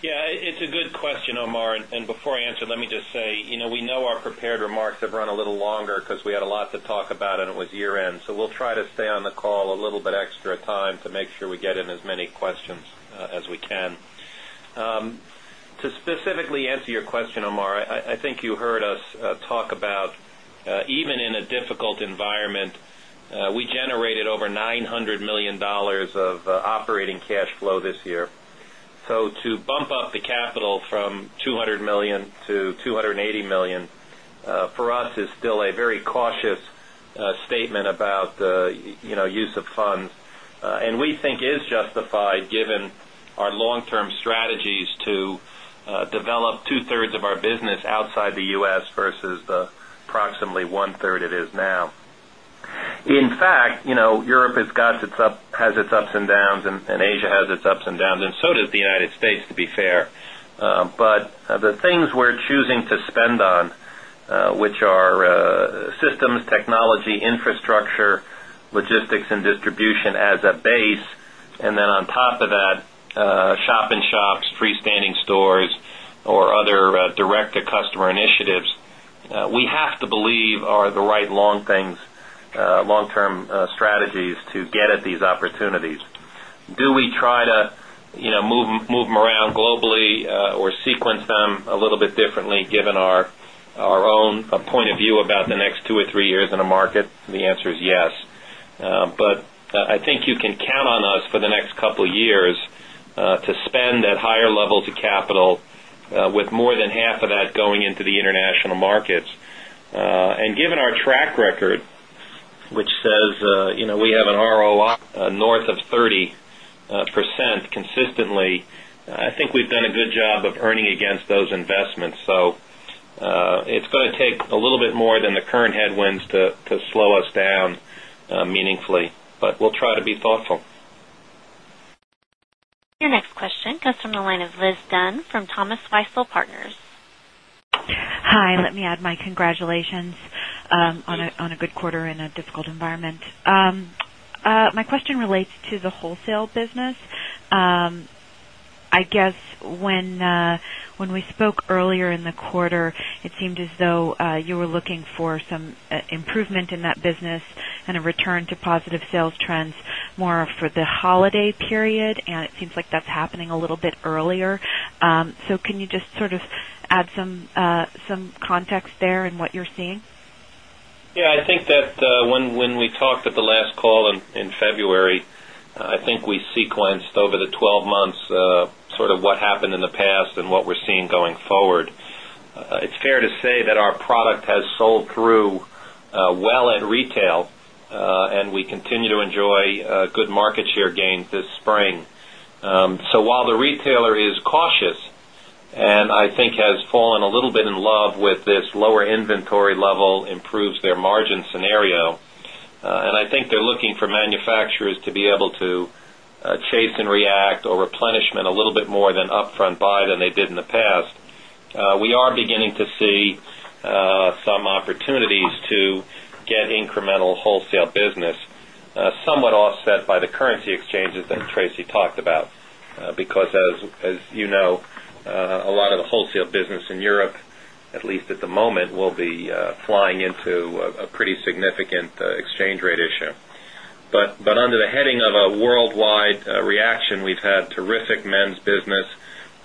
Yes, it's a good question, Omar. And before I answer, let me just say, we know our prepared remarks have run a little longer because we had a lot to talk about and it was year end. So, we'll try to stay on the call a little bit extra time to make sure we get in as many questions as we can. To specifically answer your question, Omar, I think you heard us talk about even in a difficult environment, we generated over $900,000,000 of operating cash flow this year. So to bump up the capital from $200,000,000 to $280,000,000 for us is still a very cautious statement about the use of funds and we think is justified given our long term strategies to develop 2 thirds of our business outside the U. S. Versus the approximately 1 third it is now. In fact, Europe has got its up has its ups and downs and Asia has its ups and downs and so does the United States to be fair. But the things we're choosing to spend on, which are systems, technology, infrastructure, logistics and distribution as a base and then on top of that, shop in shops, freestanding stores or other direct to customer initiatives, we have to believe are the right long things long term strategies to get at these opportunities. Do we try to move them around globally or sequence them a little bit differently given our own point of view about the next 2 or 3 years in a market? The answer is yes. But I think you can count on us for the next couple of years to spend at higher levels of capital with more than half of that going into the international markets. And given our track record, which says we have an ROI north of 30% consistently, I think we've done a good job of earning against those investments. So it's going to take a little bit more than the current headwinds to slow us down meaningfully, but we'll try to be thoughtful. Your next question comes from the line of Liz Dunn from Thomas Weisel Partners. Hi. Let me add my congratulations on a good quarter in a difficult environment. My question relates to the wholesale business. I guess when we spoke earlier in the quarter, it seemed as though you were looking for some improvement in that business and a return to positive sales trends more for the holiday period and it seems like that's happening a little bit earlier. So can you just sort of add some context there in what you're seeing? Yes. I think that when we talked at the last call in February, I think we sequenced over the 12 months sort of what happened in the past and what we're seeing going forward. It's fair to say that our product has sold through well at retail, and we continue to enjoy good market share gains this spring. So while the retailer is cautious and I think has fallen a little bit in love with this lower inventory level improves their margin scenario, and I think they're looking for manufacturers to be able to chase and react or replenishment a little bit more than upfront buy than they did in the past. We are beginning to see some opportunities to get incremental wholesale business somewhat offset by the currency exchanges that Tracy talked about because as you know, a lot of the wholesale business in Europe, at least at the moment, will be flying into a pretty significant exchange rate issue. But under the heading of a worldwide reaction, we've had terrific men's business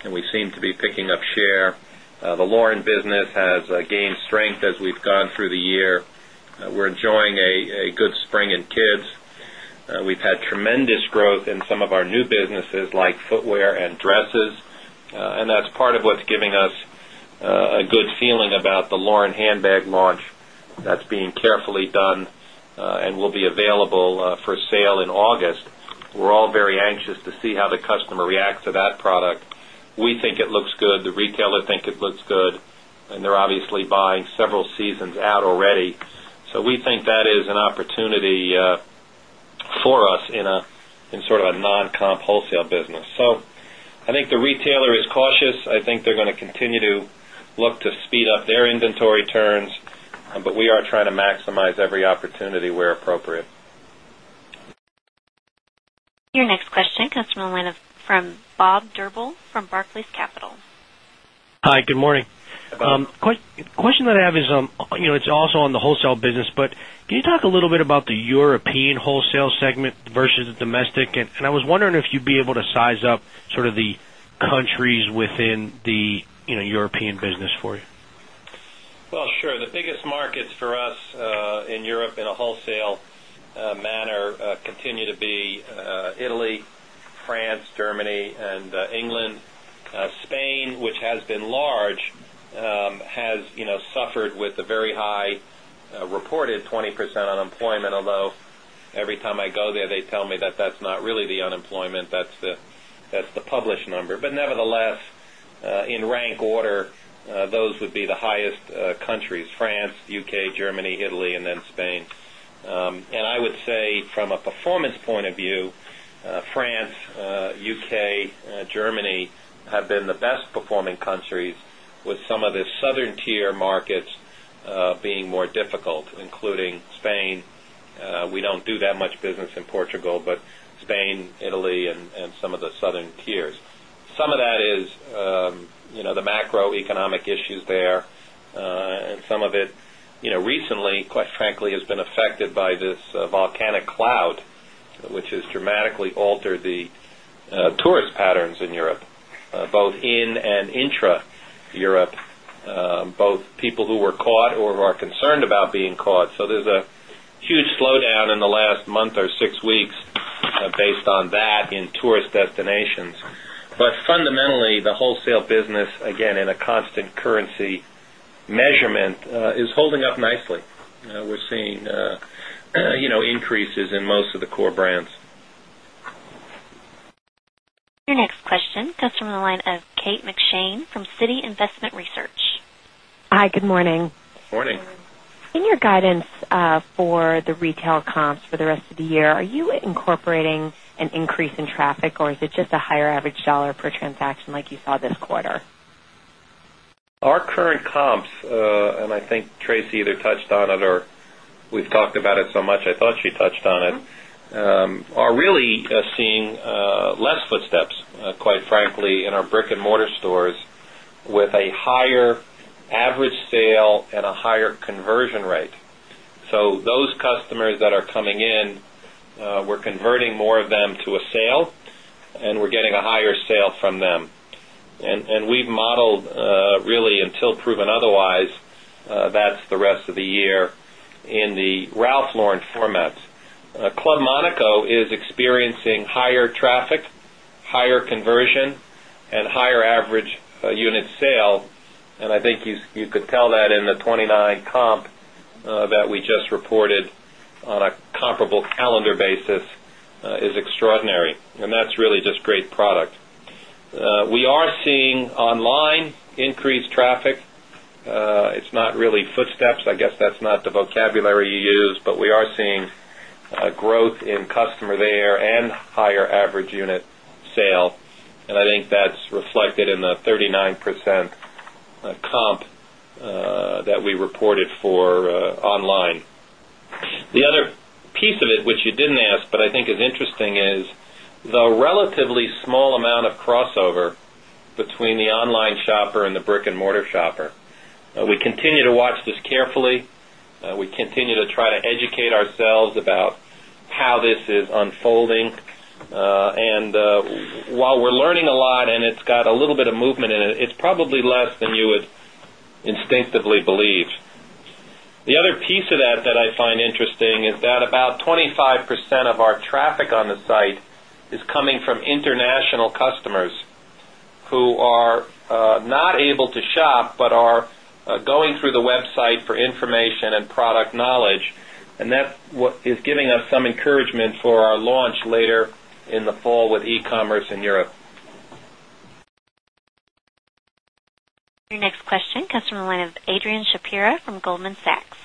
and we seem to be picking up share. The Lauren business has gained strength as we've gone through the year. We're enjoying a good spring in kids. We've had tremendous growth in some of our new businesses like footwear and dresses, and that's part of what's giving us a good feeling about the Lauren handbag launch that's being carefully done and will be available for sale in August. We're all very anxious to see how the customer reacts to that product. We think it looks good. The retailer think it looks good. And they're obviously buying several seasons out already. So we think that is an opportunity for us in sort of a non comp wholesale business. So I think the retailer is cautious. I think they're going to continue to look to speed up their inventory turns, but we are trying to maximize every opportunity where appropriate. Your next question comes from the line of Bob Drbul from Barclays Capital. Hi, good morning. Question that I have is, it's also on the wholesale business, but can you talk a little bit about the European wholesale segment versus domestic? And I was wondering if you'd be able to size up sort of the countries within the European business for you? Well, sure. The biggest markets for us in Europe in a wholesale manner continue to be Italy, France, Germany and England. Spain, which has been large, has suffered with a very high reported 20% unemployment, although every time I go there, they tell me that that's not really the unemployment. That's the published number. But nevertheless, in rank order, those would be the highest countries, France, U. K, Germany, Italy and then Spain. And I would say from a performance point of view, France, U. K, Germany have been the best performing countries with some of the southern tier markets being more difficult, including Spain. We don't do that much business in Portugal, but Spain, Italy and some of the southern tiers. Some of that is the macroeconomic issues there and some of it recently quite frankly has been affected by this volcanic cloud, which has dramatically altered the tourist patterns in Europe, both in and intra Europe, both people who were caught or who are concerned about being caught. So there's a huge slowdown in the last month or 6 weeks based on that in tourist destinations. But fundamentally, the wholesale business, again, in a constant currency measurement is holding up nicely. We're seeing increases in most of the core brands. Your next question comes from the line of Kate McShane from Citi Investment Research. Hi, good morning. Good morning. In your guidance for the retail comps for the rest of the year, are you incorporating an increase in traffic or is it just a higher average dollar per transaction like you saw this quarter? Our current comps, and I think Tracy either touched on it or we've talked about it so much, I thought she touched on it, are really seeing less footsteps, quite frankly, in our brick and mortar stores with a higher average sale and a higher conversion rate. So those customers that are coming in, we're converting more of them to a sale and we're getting a higher sale from them. And we've modeled really until proven otherwise, that's the rest of the year in the Ralph Lauren format. Club Monaco is experiencing higher traffic, higher conversion and higher average unit sale. And I think you could tell that in the 29 comp that we just reported on a comparable calendar basis is extraordinary. And that's really just great product. We are seeing online increased traffic. It's not really footsteps. I guess that's not the vocabulary you use, but we are seeing growth in customer there and higher average unit sale. And I think that's reflected in the 39% comp that we reported for online. The other piece of it, which you didn't ask, but I think is interesting is the relatively small amount of crossover between the online shopper and the brick and mortar shopper. We continue to watch this carefully. We continue to try to educate ourselves about how this is unfolding. And while we're learning a lot and it's got a little bit of movement in it, it's probably less than you would instinctively believe. The other piece of that that I find interesting is that about 25% of our traffic on the site is coming from international customers who are not able to shop, but are going through the website for information and product knowledge. And that is giving us some encouragement for our launch later in the fall with e commerce in Europe. Your next question comes from the line of Adrienne Shapiro from Goldman Sachs.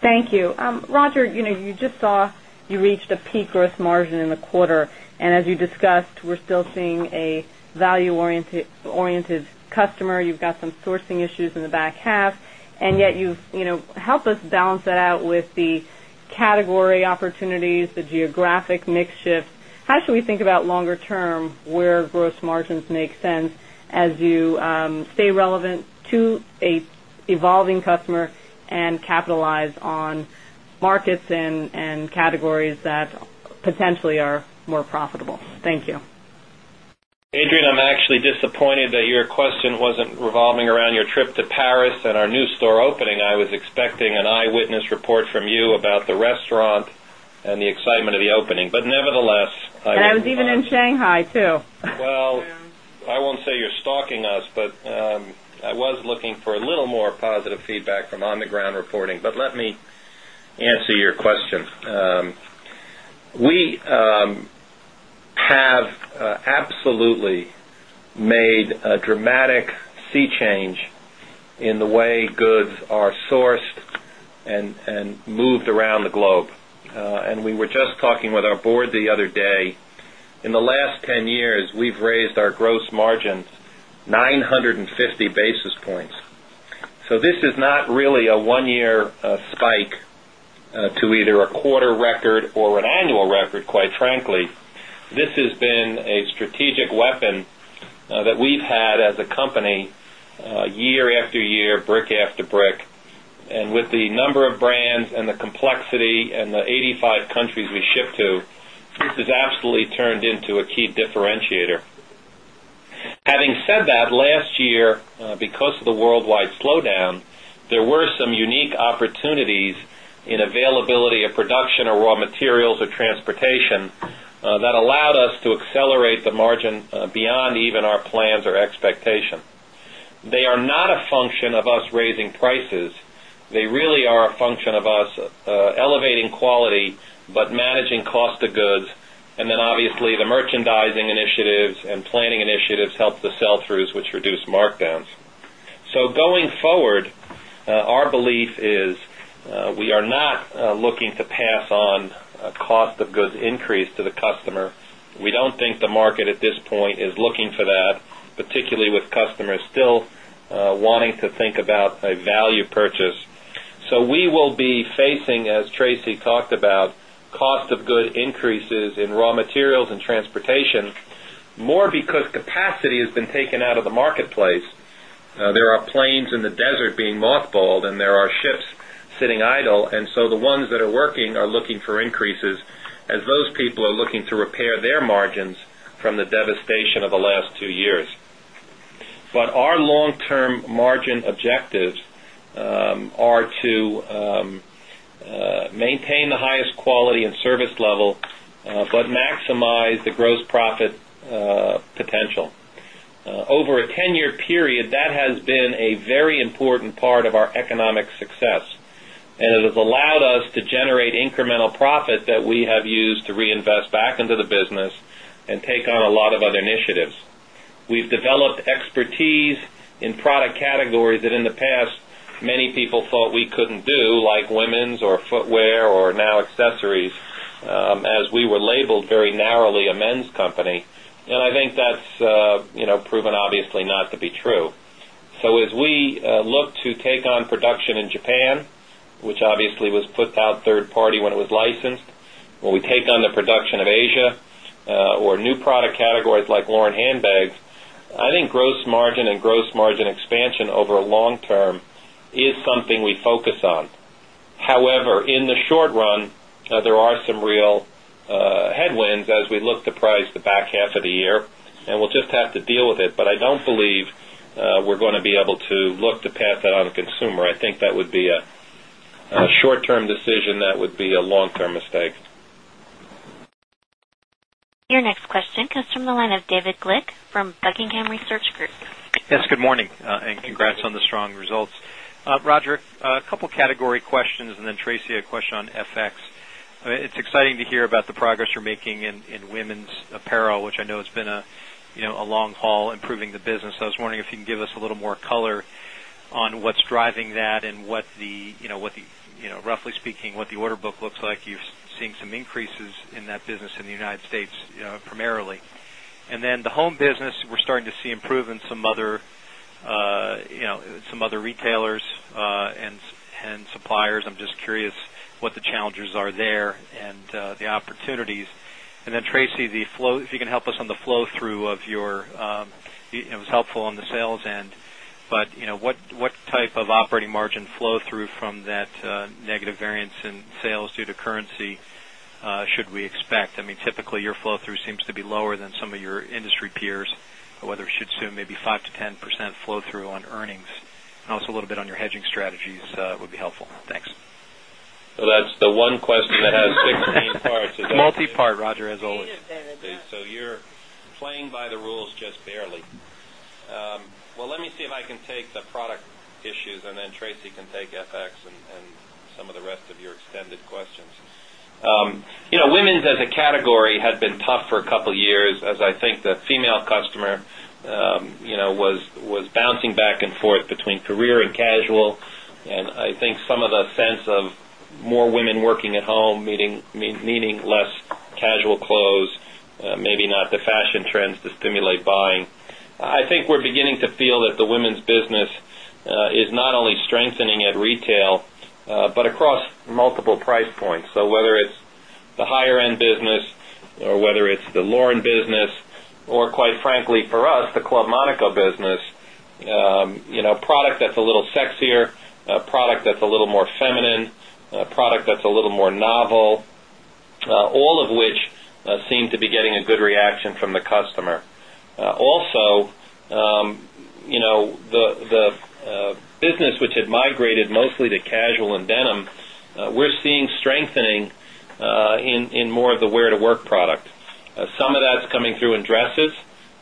Thank you. Roger, you just saw you reached a peak gross margin in the quarter. And as you discussed, we're still seeing a value oriented customer. You've got some sourcing issues in the back half. And yet you've helped us balance that out with the category opportunities, the geographic mix shift. How should we think about longer term where gross margins make sense as you stay relevant to a evolving customer and capitalize on markets and categories that potentially are more profitable? Thank you. Adrienne, I'm actually disappointed that your question wasn't revolving around your trip to Paris and our new store opening. I was expecting an eyewitness report from you about the restaurant and the excitement of the opening. But nevertheless That was even in Shanghai too. Well, I won't say you're stalking us, but I was looking for a little more positive feedback from on the ground reporting. But let me answer your question. We We have absolutely made a dramatic sea change in the way goods are sourced and moved around the globe. And we were just talking with our Board the other day. In the last 10 years, we've raised our gross margins 9.50 basis points. So this is not really a 1 year spike to either a quarter record or an annual record, quite frankly. This has been a strategic weapon that we've had as a company year after year, brick after brick. And with the number of brands and the complexity and the 85 countries we ship to, this is absolutely turned into a key differentiator. Having said that, last year, because of the worldwide slowdown, there were some unique opportunities in availability of production of raw materials or transportation that allowed us to accelerate the margin beyond even our plans or expectation. They are not a function of us raising prices. They really are a function of us elevating quality, but managing cost of goods. And then obviously, the merchandising initiatives and planning initiatives help the sell throughs, which reduce markdowns. So going forward, our belief is we are not looking to pass on cost of goods increase to the customer. We don't think the market at this point is looking for that, particularly with customers still wanting to think about a value purchase. So we will be facing, as Tracy talked about, cost of good increases in raw materials and transportation more because capacity has been taken out of the marketplace. There are planes in the desert being mothballed and there are ships sitting idle. And so the ones that are working are looking for increases as those people are looking to repair their margins from the devastation of the last 2 years. But our long term margin objectives are to maintain the highest quality and service level, but maximize the gross profit potential. Over a 10 year period, that has been a very important part of our economic success and it has allowed us to generate incremental profit that we have used to reinvest back into the business and take on a lot of other initiatives. We've developed expertise in product categories that in the past many people thought we couldn't do like women's or footwear or now accessories as we were labeled very narrowly a men's company. And I think that's proven obviously not to be true. So as we look to take on production in Japan, which obviously was put out 3rd party when it was licensed, when we take on the production of Asia or new product categories like Lauren handbags, I think gross margin and gross margin expansion over a long term is something we focus on. However, in the short run, there are some real headwinds as we look to price the back half of the year, and we'll just have to deal with it. But I don't believe we're going to be able to look to pass that on to consumer. I think that would be a short term decision, that would be a long term mistake. Your next question comes from the line of David Glick from Buckingham Research Group. Yes, good morning and congrats on the strong results. Roger, a couple And congrats on the strong results. Roger, a couple of category questions and then Tracy a question on FX. It's exciting to hear about the progress you're making in women's apparel, which I know has been a long haul improving the business. So I was wondering if you can give us a little more color on what's driving that and what the roughly speaking what the order book looks like you've seen some increases in that business in the United States primarily. And then the home business we're starting to see improvement some other retailers and suppliers. I'm just curious what the challenges are there and the opportunities. And then, Tracy, the flow if you can help us on the flow through of your it was helpful on the sales end, but what type of operating margin flow through from that negative variance in sales due to currency should we expect? I mean, typically your flow through seems to be lower than some of your industry peers, whether it should assume maybe 5% to 10% flow through on earnings and also a little bit on your hedging strategies would be helpful. Thanks. So that's the one question that has 16 parts. Multi part, Roger, as always. So you're playing by the rules just barely. Well, let me see if I can take the product issues and then Tracy can take FX and some of the rest of your extended questions. Women's as a category had been tough for a couple of years as I think the female customer was bouncing back and forth between career and casual. And I think some of the sense of more women working at home, meaning less casual clothes, maybe not the fashion trends to stimulate buying. I think we're beginning to feel that the women's business is not only strengthening at retail, but across multiple price points. So whether it's the higher end business or whether it's the Lauren business or quite frankly for us, the Club Monaco business, product that's a little sexier, product that's a little more feminine, product that's a little more novel, all of which seem to be getting a good reaction from the customer. Also, the business which had migrated mostly to casual and denim, we're seeing strengthening in more of the wear to work product. Some of that's coming through in dresses,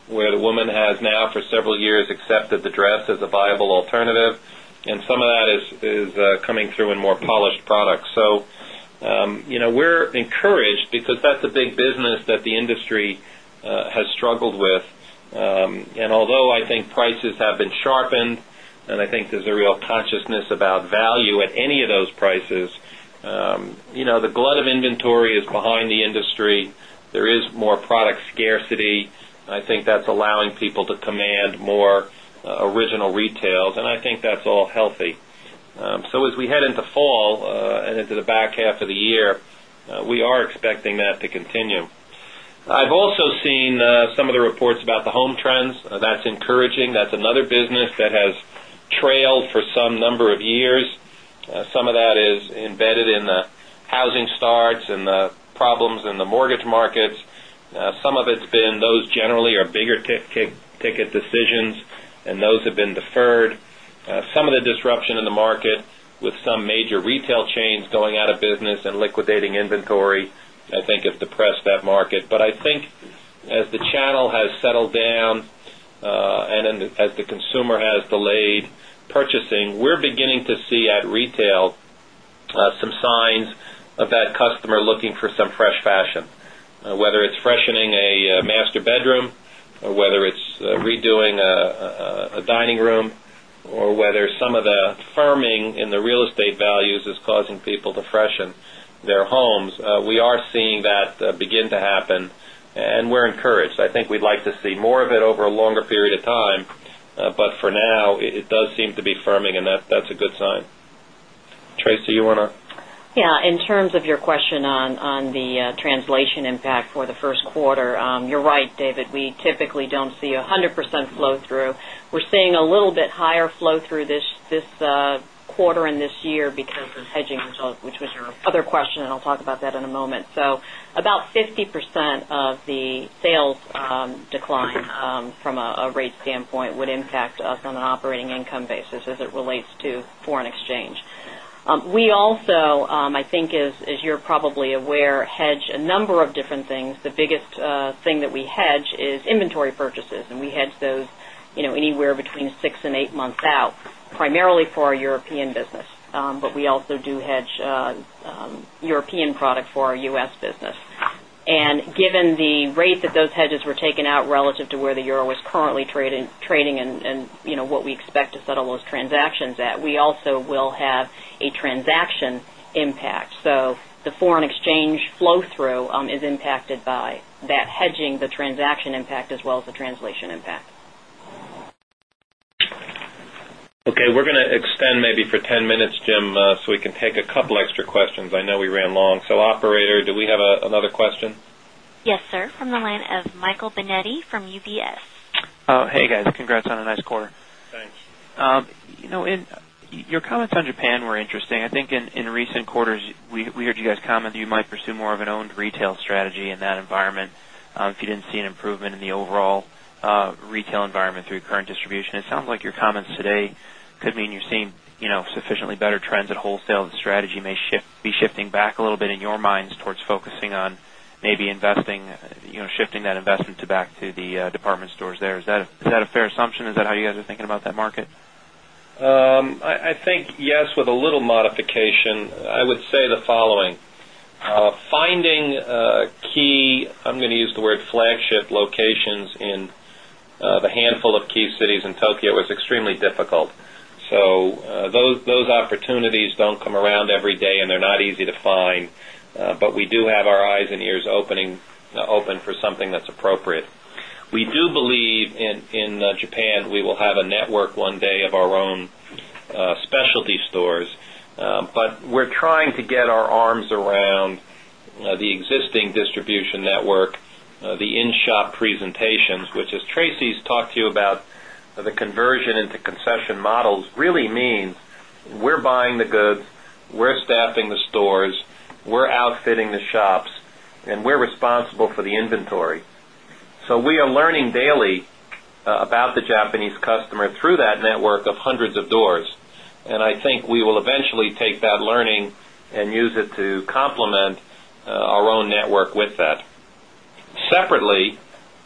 where the woman has now for several years accepted the dress as a viable alternative and some of that is coming through in more polished products. So we're encouraged because that's a big business that the industry has struggled with. And although I think prices have been sharpened and I think there's a real consciousness about value at any of those prices, the glut of inventory is behind the industry. There is more product scarcity. I think that's allowing people to command more original retails, and I think that's all healthy. So as we head into fall and into the back half of the year, we are expecting that to continue. I've also seen some of the reports about the home trends. That's encouraging. That's another business that has trailed for some number of years. Some of that is embedded in the housing starts and the problems in the mortgage markets. Some of it's been those generally are bigger ticket decisions and those have been deferred. Some of the disruption in the market with some major retail chains going out of business and liquidating inventory, I think, has depressed that market. But I think as the channel has settled down and as the consumer has delayed purchasing, we're beginning to see at retail some signs of that customer looking for some fresh fashion, whether it's freshening a master bedroom or whether it's redoing a dining room or whether some of the firming in the real estate values is causing people to freshen their homes. We are seeing that begin to happen and we're encouraged. I think we'd like to see more of it over a longer period of time. But for now, it does seem to be firming and that's a good sign. Tracy, you want to? Yes. In terms of your question on the translation impact for the Q1, you're right, David. We typically don't see 100% flow through. We're seeing a little bit higher flow through this quarter and this year because of hedging, which was your other question, and I'll talk about that in a moment. So about 50% of the sales decline from a rate standpoint would impact us on an operating income basis as it relates to foreign exchange. We also, I think, as you're probably aware, hedge a number of different things. The biggest thing that we hedge is inventory purchases, and we hedge those anywhere between 6 8 months out, primarily for our European business. But we also do hedge European product for our U. S. Business. And given the rate that those hedges were taken out relative to where the euro was currently trading and what we expect to settle those transactions at, we also will have a transaction impact. Translation impact. Okay. We're going to extend maybe for 10 minutes, Jim, so we can take a couple of extra questions. I know we ran long. So operator, do we have another question? Yes, sir. From the line of Michael Binetti from UBS. Hey, guys. Congrats on a nice quarter. Thanks. Your comments on Japan were interesting. I think in recent quarters, we heard you guys comment that you might pursue more of an owned retail strategy in that environment, if you didn't see an improvement in the overall retail environment through current distribution. It sounds like your comments today could mean you're seeing sufficiently better trends at wholesale strategy may be shifting back a little bit in your minds towards focusing on maybe investing shifting that investment to back to the department stores there. Is a fair assumption? Is that how you guys are thinking about that market? I think yes, with a little modification, I would say the following. Finding key, I'm going to use the word flagship locations in the handful of key cities in Tokyo was extremely difficult. So those cities in Tokyo was extremely difficult. So those opportunities don't come around every day and they're not easy to find, but we do have our eyes and ears open for something that's appropriate. We do believe in Japan, we will have a network one day of our own specialty stores. But we're trying to get our arms around the existing distribution network, the in shop presentations, which as Tracy has talked to you about the conversion into concession models really means we're buying the goods, we're staffing the stores, we're outfitting the shops and we're responsible for the inventory. So we are learning daily about the Japanese customer through that network of hundreds of doors. And I think we will eventually take that learning and use it to complement our own network with that. Separately,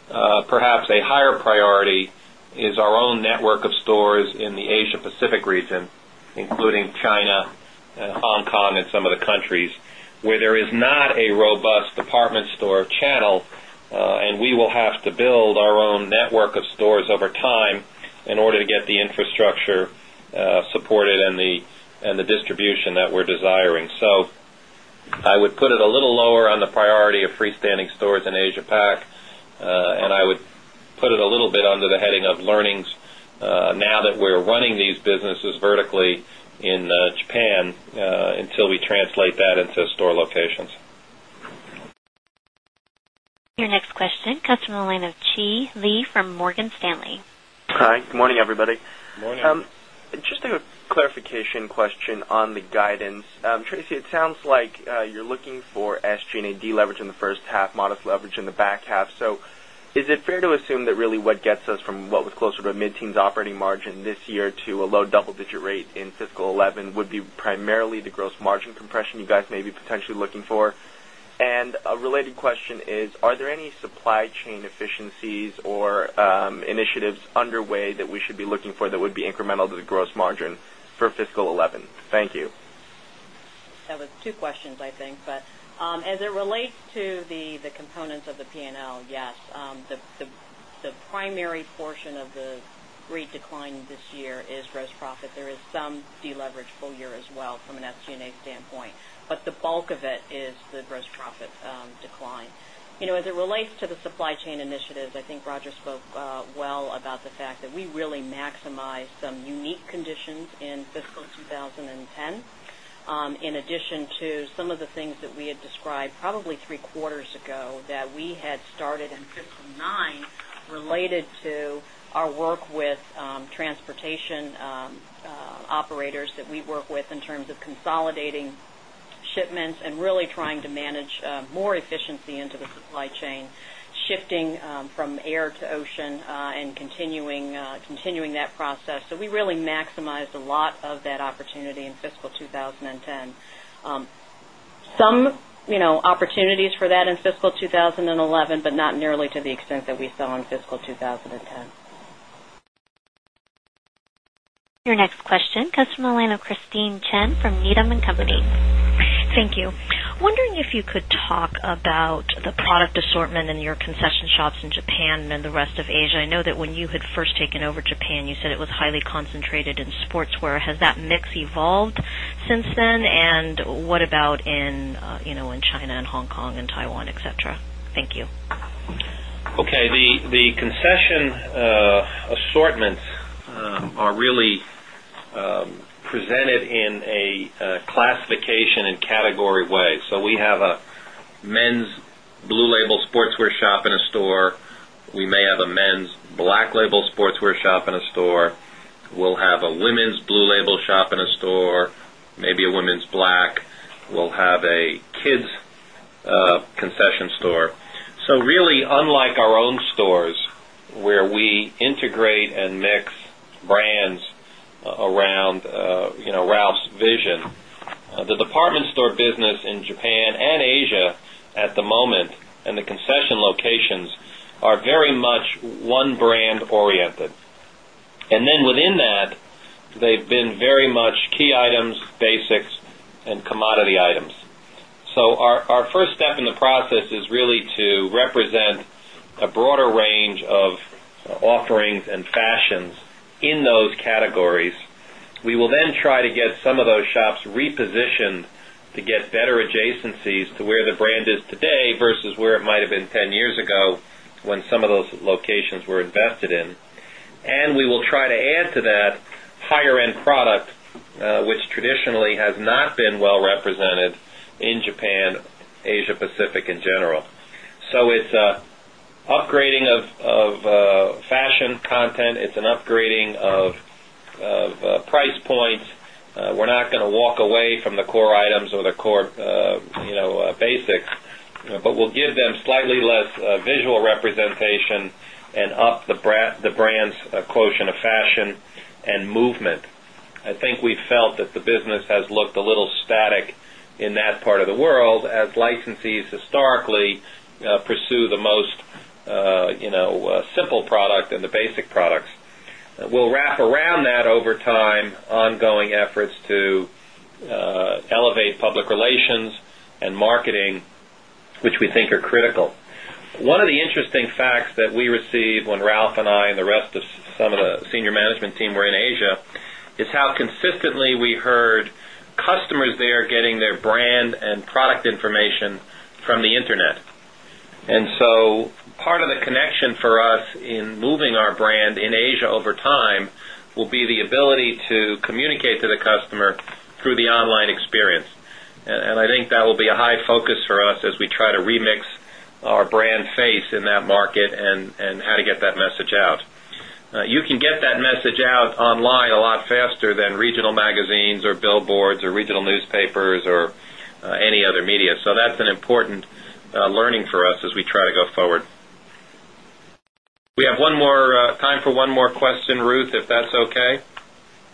perhaps a higher priority is our own network of stores in the Asia Pacific region, including China, Hong Kong and some of the countries where there is not a robust department store channel and we will have to build our own network of stores over time in order to get the infrastructure supported and the distribution that we're desiring. So I would put it a little lower on the priority of freestanding stores in Asia Pac and I would put it a little bit under the heading of learnings now that we're running these businesses vertically in Japan until we translate that into store locations. Your next question comes from the line of Chi Lee from Morgan Stanley. Hi, good morning everybody. Good morning. Just a clarification question on the guidance. Tracy, it sounds like you're looking for SG and A deleverage in the first half, modest leverage in the back half. So is it fair to assume that really what gets us from what was closer to mid teens operating margin this year to a low double digit rate in fiscal 2011 would be primarily the gross margin compression you guys may be potentially looking for? And a related question is, are there any supply chain efficiencies or initiatives underway that we should be looking for that would be incremental to the gross margin for fiscal 2011? Thank you. That was 2 questions, I think. But as it relates to the components of the P and L, yes, the primary portion of the rate decline this year is gross profit. There is some deleverage full year as well from an SG and A standpoint. But the bulk of it is the gross profit decline. As it relates to the supply chain initiatives, I think Roger spoke well about the fact that we really maximized some unique conditions in fiscal 2010, in addition to some of the things that we had described probably 3 quarters ago that we had started in fiscal 2009 related to our work with transportation operators that we work with in terms of consolidating shipments and really trying to manage more efficiency into the supply chain, shifting from air to ocean and continuing that process. So we really maximized a lot of that opportunity in fiscal 2010. Some opportunities for that in fiscal 2011, but not nearly to the extent that we saw in fiscal 2010. Your next question comes from the line of Christine Chen from Needham and Company. Wondering if you could talk about the product assortment in your concession shops in Japan and the rest of Asia. I know that when you had first taken over Japan, you said it was highly concentrated in sportswear. Has that mix evolved since then? And what about in China and Hong Kong and Taiwan, etcetera? Thank you. Okay. The concession assortments are really presented in a classification and category way. So we have a men's Blue Label sportswear shop in a store. We may have a men's Black Label sportswear shop in a store. We'll have a women's Blue Label shop in a store, maybe a women's black. We'll have a kids concession store. So really unlike our own stores where we integrate and mix brands around Ralph's vision, the department store business in Japan and Asia at the moment and the concession locations are very much one brand oriented. And then within that, they've been very much key items, basics and commodity items. So our first step in the process is really to represent a broader range of offerings and fashions in those categories. We will then try to get some of those shops repositioned to get better adjacencies to where the brand is today versus where it might have been 10 years ago when some of those locations were invested in. And we will try to add to that higher end product, which traditionally has not been well represented in Japan, Asia Pacific in general. So it's upgrading of fashion content. It's an upgrading of price points. We're not going to walk away from the core items or the core basics, but we'll give them slightly less visual representation and up the brand's quotient of fashion and movement. I think we felt that the business has looked a little static in that part of the world as licensees historically pursue the most simple product and the basic products. We'll wrap around that over time ongoing efforts to elevate public relations and marketing, which we think are critical. One of the interesting facts that we received when Ralph and I and the rest of some of the senior management team were in Asia is how consistently we heard customers there getting their brand and product information from the Internet. And so part of the connection for us in moving our brand in Asia over time will be the ability to communicate to the customer through the online experience. And I think that will be a high focus for us as we try to remix our brand face in that market and how to get that message out. You can get that message out online a lot faster than regional magazines or billboards or regional newspapers or any other media. So that's an important learning for us as we try to go forward. We have one more time for one more question, Ruth, if that's okay.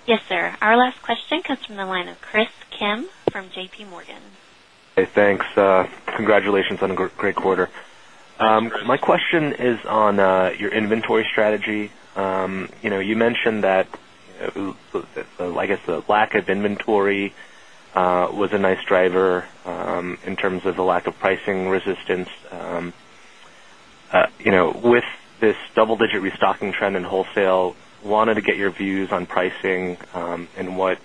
Yes, sir. Our last question comes from the line of Chris Kim from JPMorgan. Hey, thanks. Congratulations on a great quarter. My question is on your inventory strategy. You mentioned that, I guess, the lack of inventory was a nice driver in terms of the lack of pricing resistance. With this double digit restocking trend in wholesale, wanted to get your views on pricing and what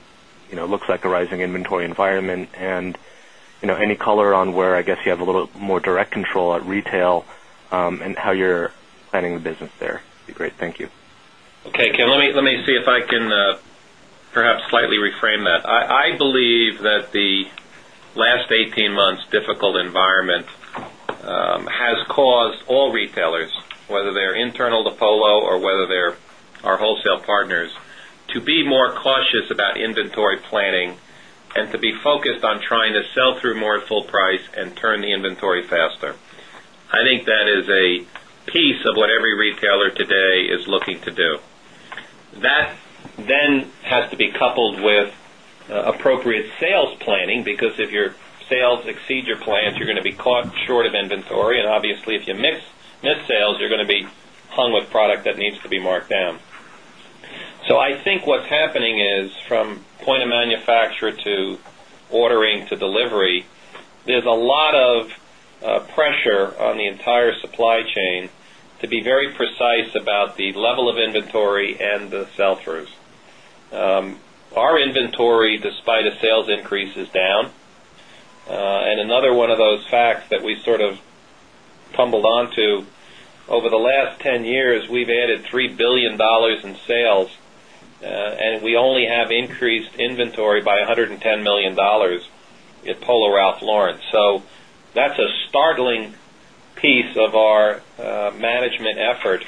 looks like the rising inventory environment and any color on where I guess you have a little more direct control at retail and how you're planning the business there would be great? Thank you. Okay. Ken, let me see if I can perhaps slightly reframe that. I believe that the last 18 months difficult environment has caused all retailers, whether they're internal to Polo or whether they're our wholesale partners, to be more cautious about inventory planning and to be focused on trying to sell through more at full price and turn the inventory faster. I think that is a piece of what every retailer today is looking to do. That then has to be coupled with appropriate sales planning because if your sales exceed your plans, you're going to be caught short of inventory. And obviously, if you miss sales, you're going to be hung with product that needs to be marked down. So I think what's happening is from point of manufacturer to ordering to delivery, there's a lot of pressure on the entire supply chain to be very precise about the level of inventory and the sell throughs. Our inventory despite a sales increase is down. And another one of those facts that we sort of tumbled onto over the last 10 years, we've added $3,000,000,000 in sales and we only have increased inventory by $110,000,000 at Polo Ralph Lauren. So that's a startling piece of our management effort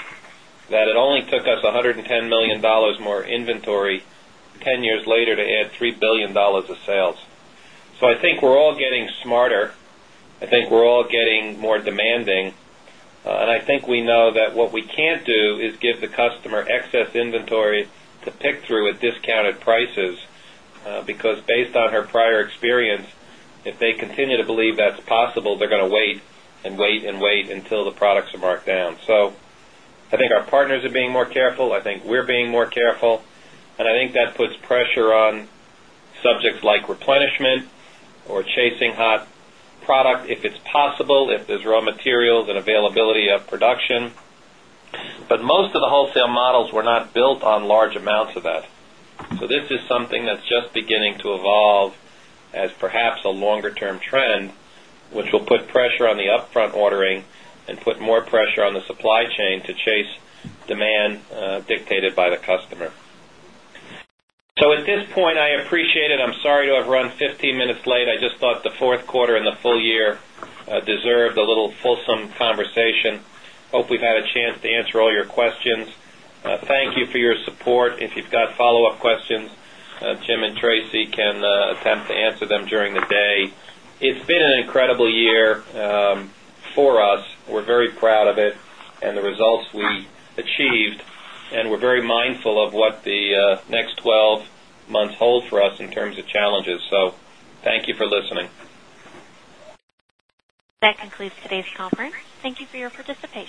that it only took us $110,000,000 more inventory, 10 years later to add $3,000,000,000 of sales. So I think we're all getting smarter. I think we're all getting more demanding. And I think we know that what we can't do is give the customer excess inventory to pick through at discounted prices because based on her prior experience, if they continue to believe that's possible, they're going to wait and wait and wait until the products are marked down. So I think our partners are being more careful. I think we're being more careful. And I think that puts pressure on subjects like replenishment or chasing hot product if it's possible, if there's raw materials and availability of production. But most of the wholesale models were not built on large amounts of that. So this is something that's just beginning to evolve as perhaps a longer term trend, which will put pressure on the upfront ordering and put more pressure on the supply chain to chase demand dictated by the customer. So at this point, I appreciate it. I'm sorry to have run 15 minutes late. I just thought the Q4 and the full year deserved a little fulsome conversation. Hope we've had a chance to answer all your questions. Thank you for your support. If you've got follow-up questions, Jim and Tracy can attempt to answer them during the day. It's been an incredible year for us. We're very proud of it and the results we achieved and we're very mindful of what the next 12 months hold for us in terms of challenges. So thank you for listening. That concludes today's conference. Thank you for your participation.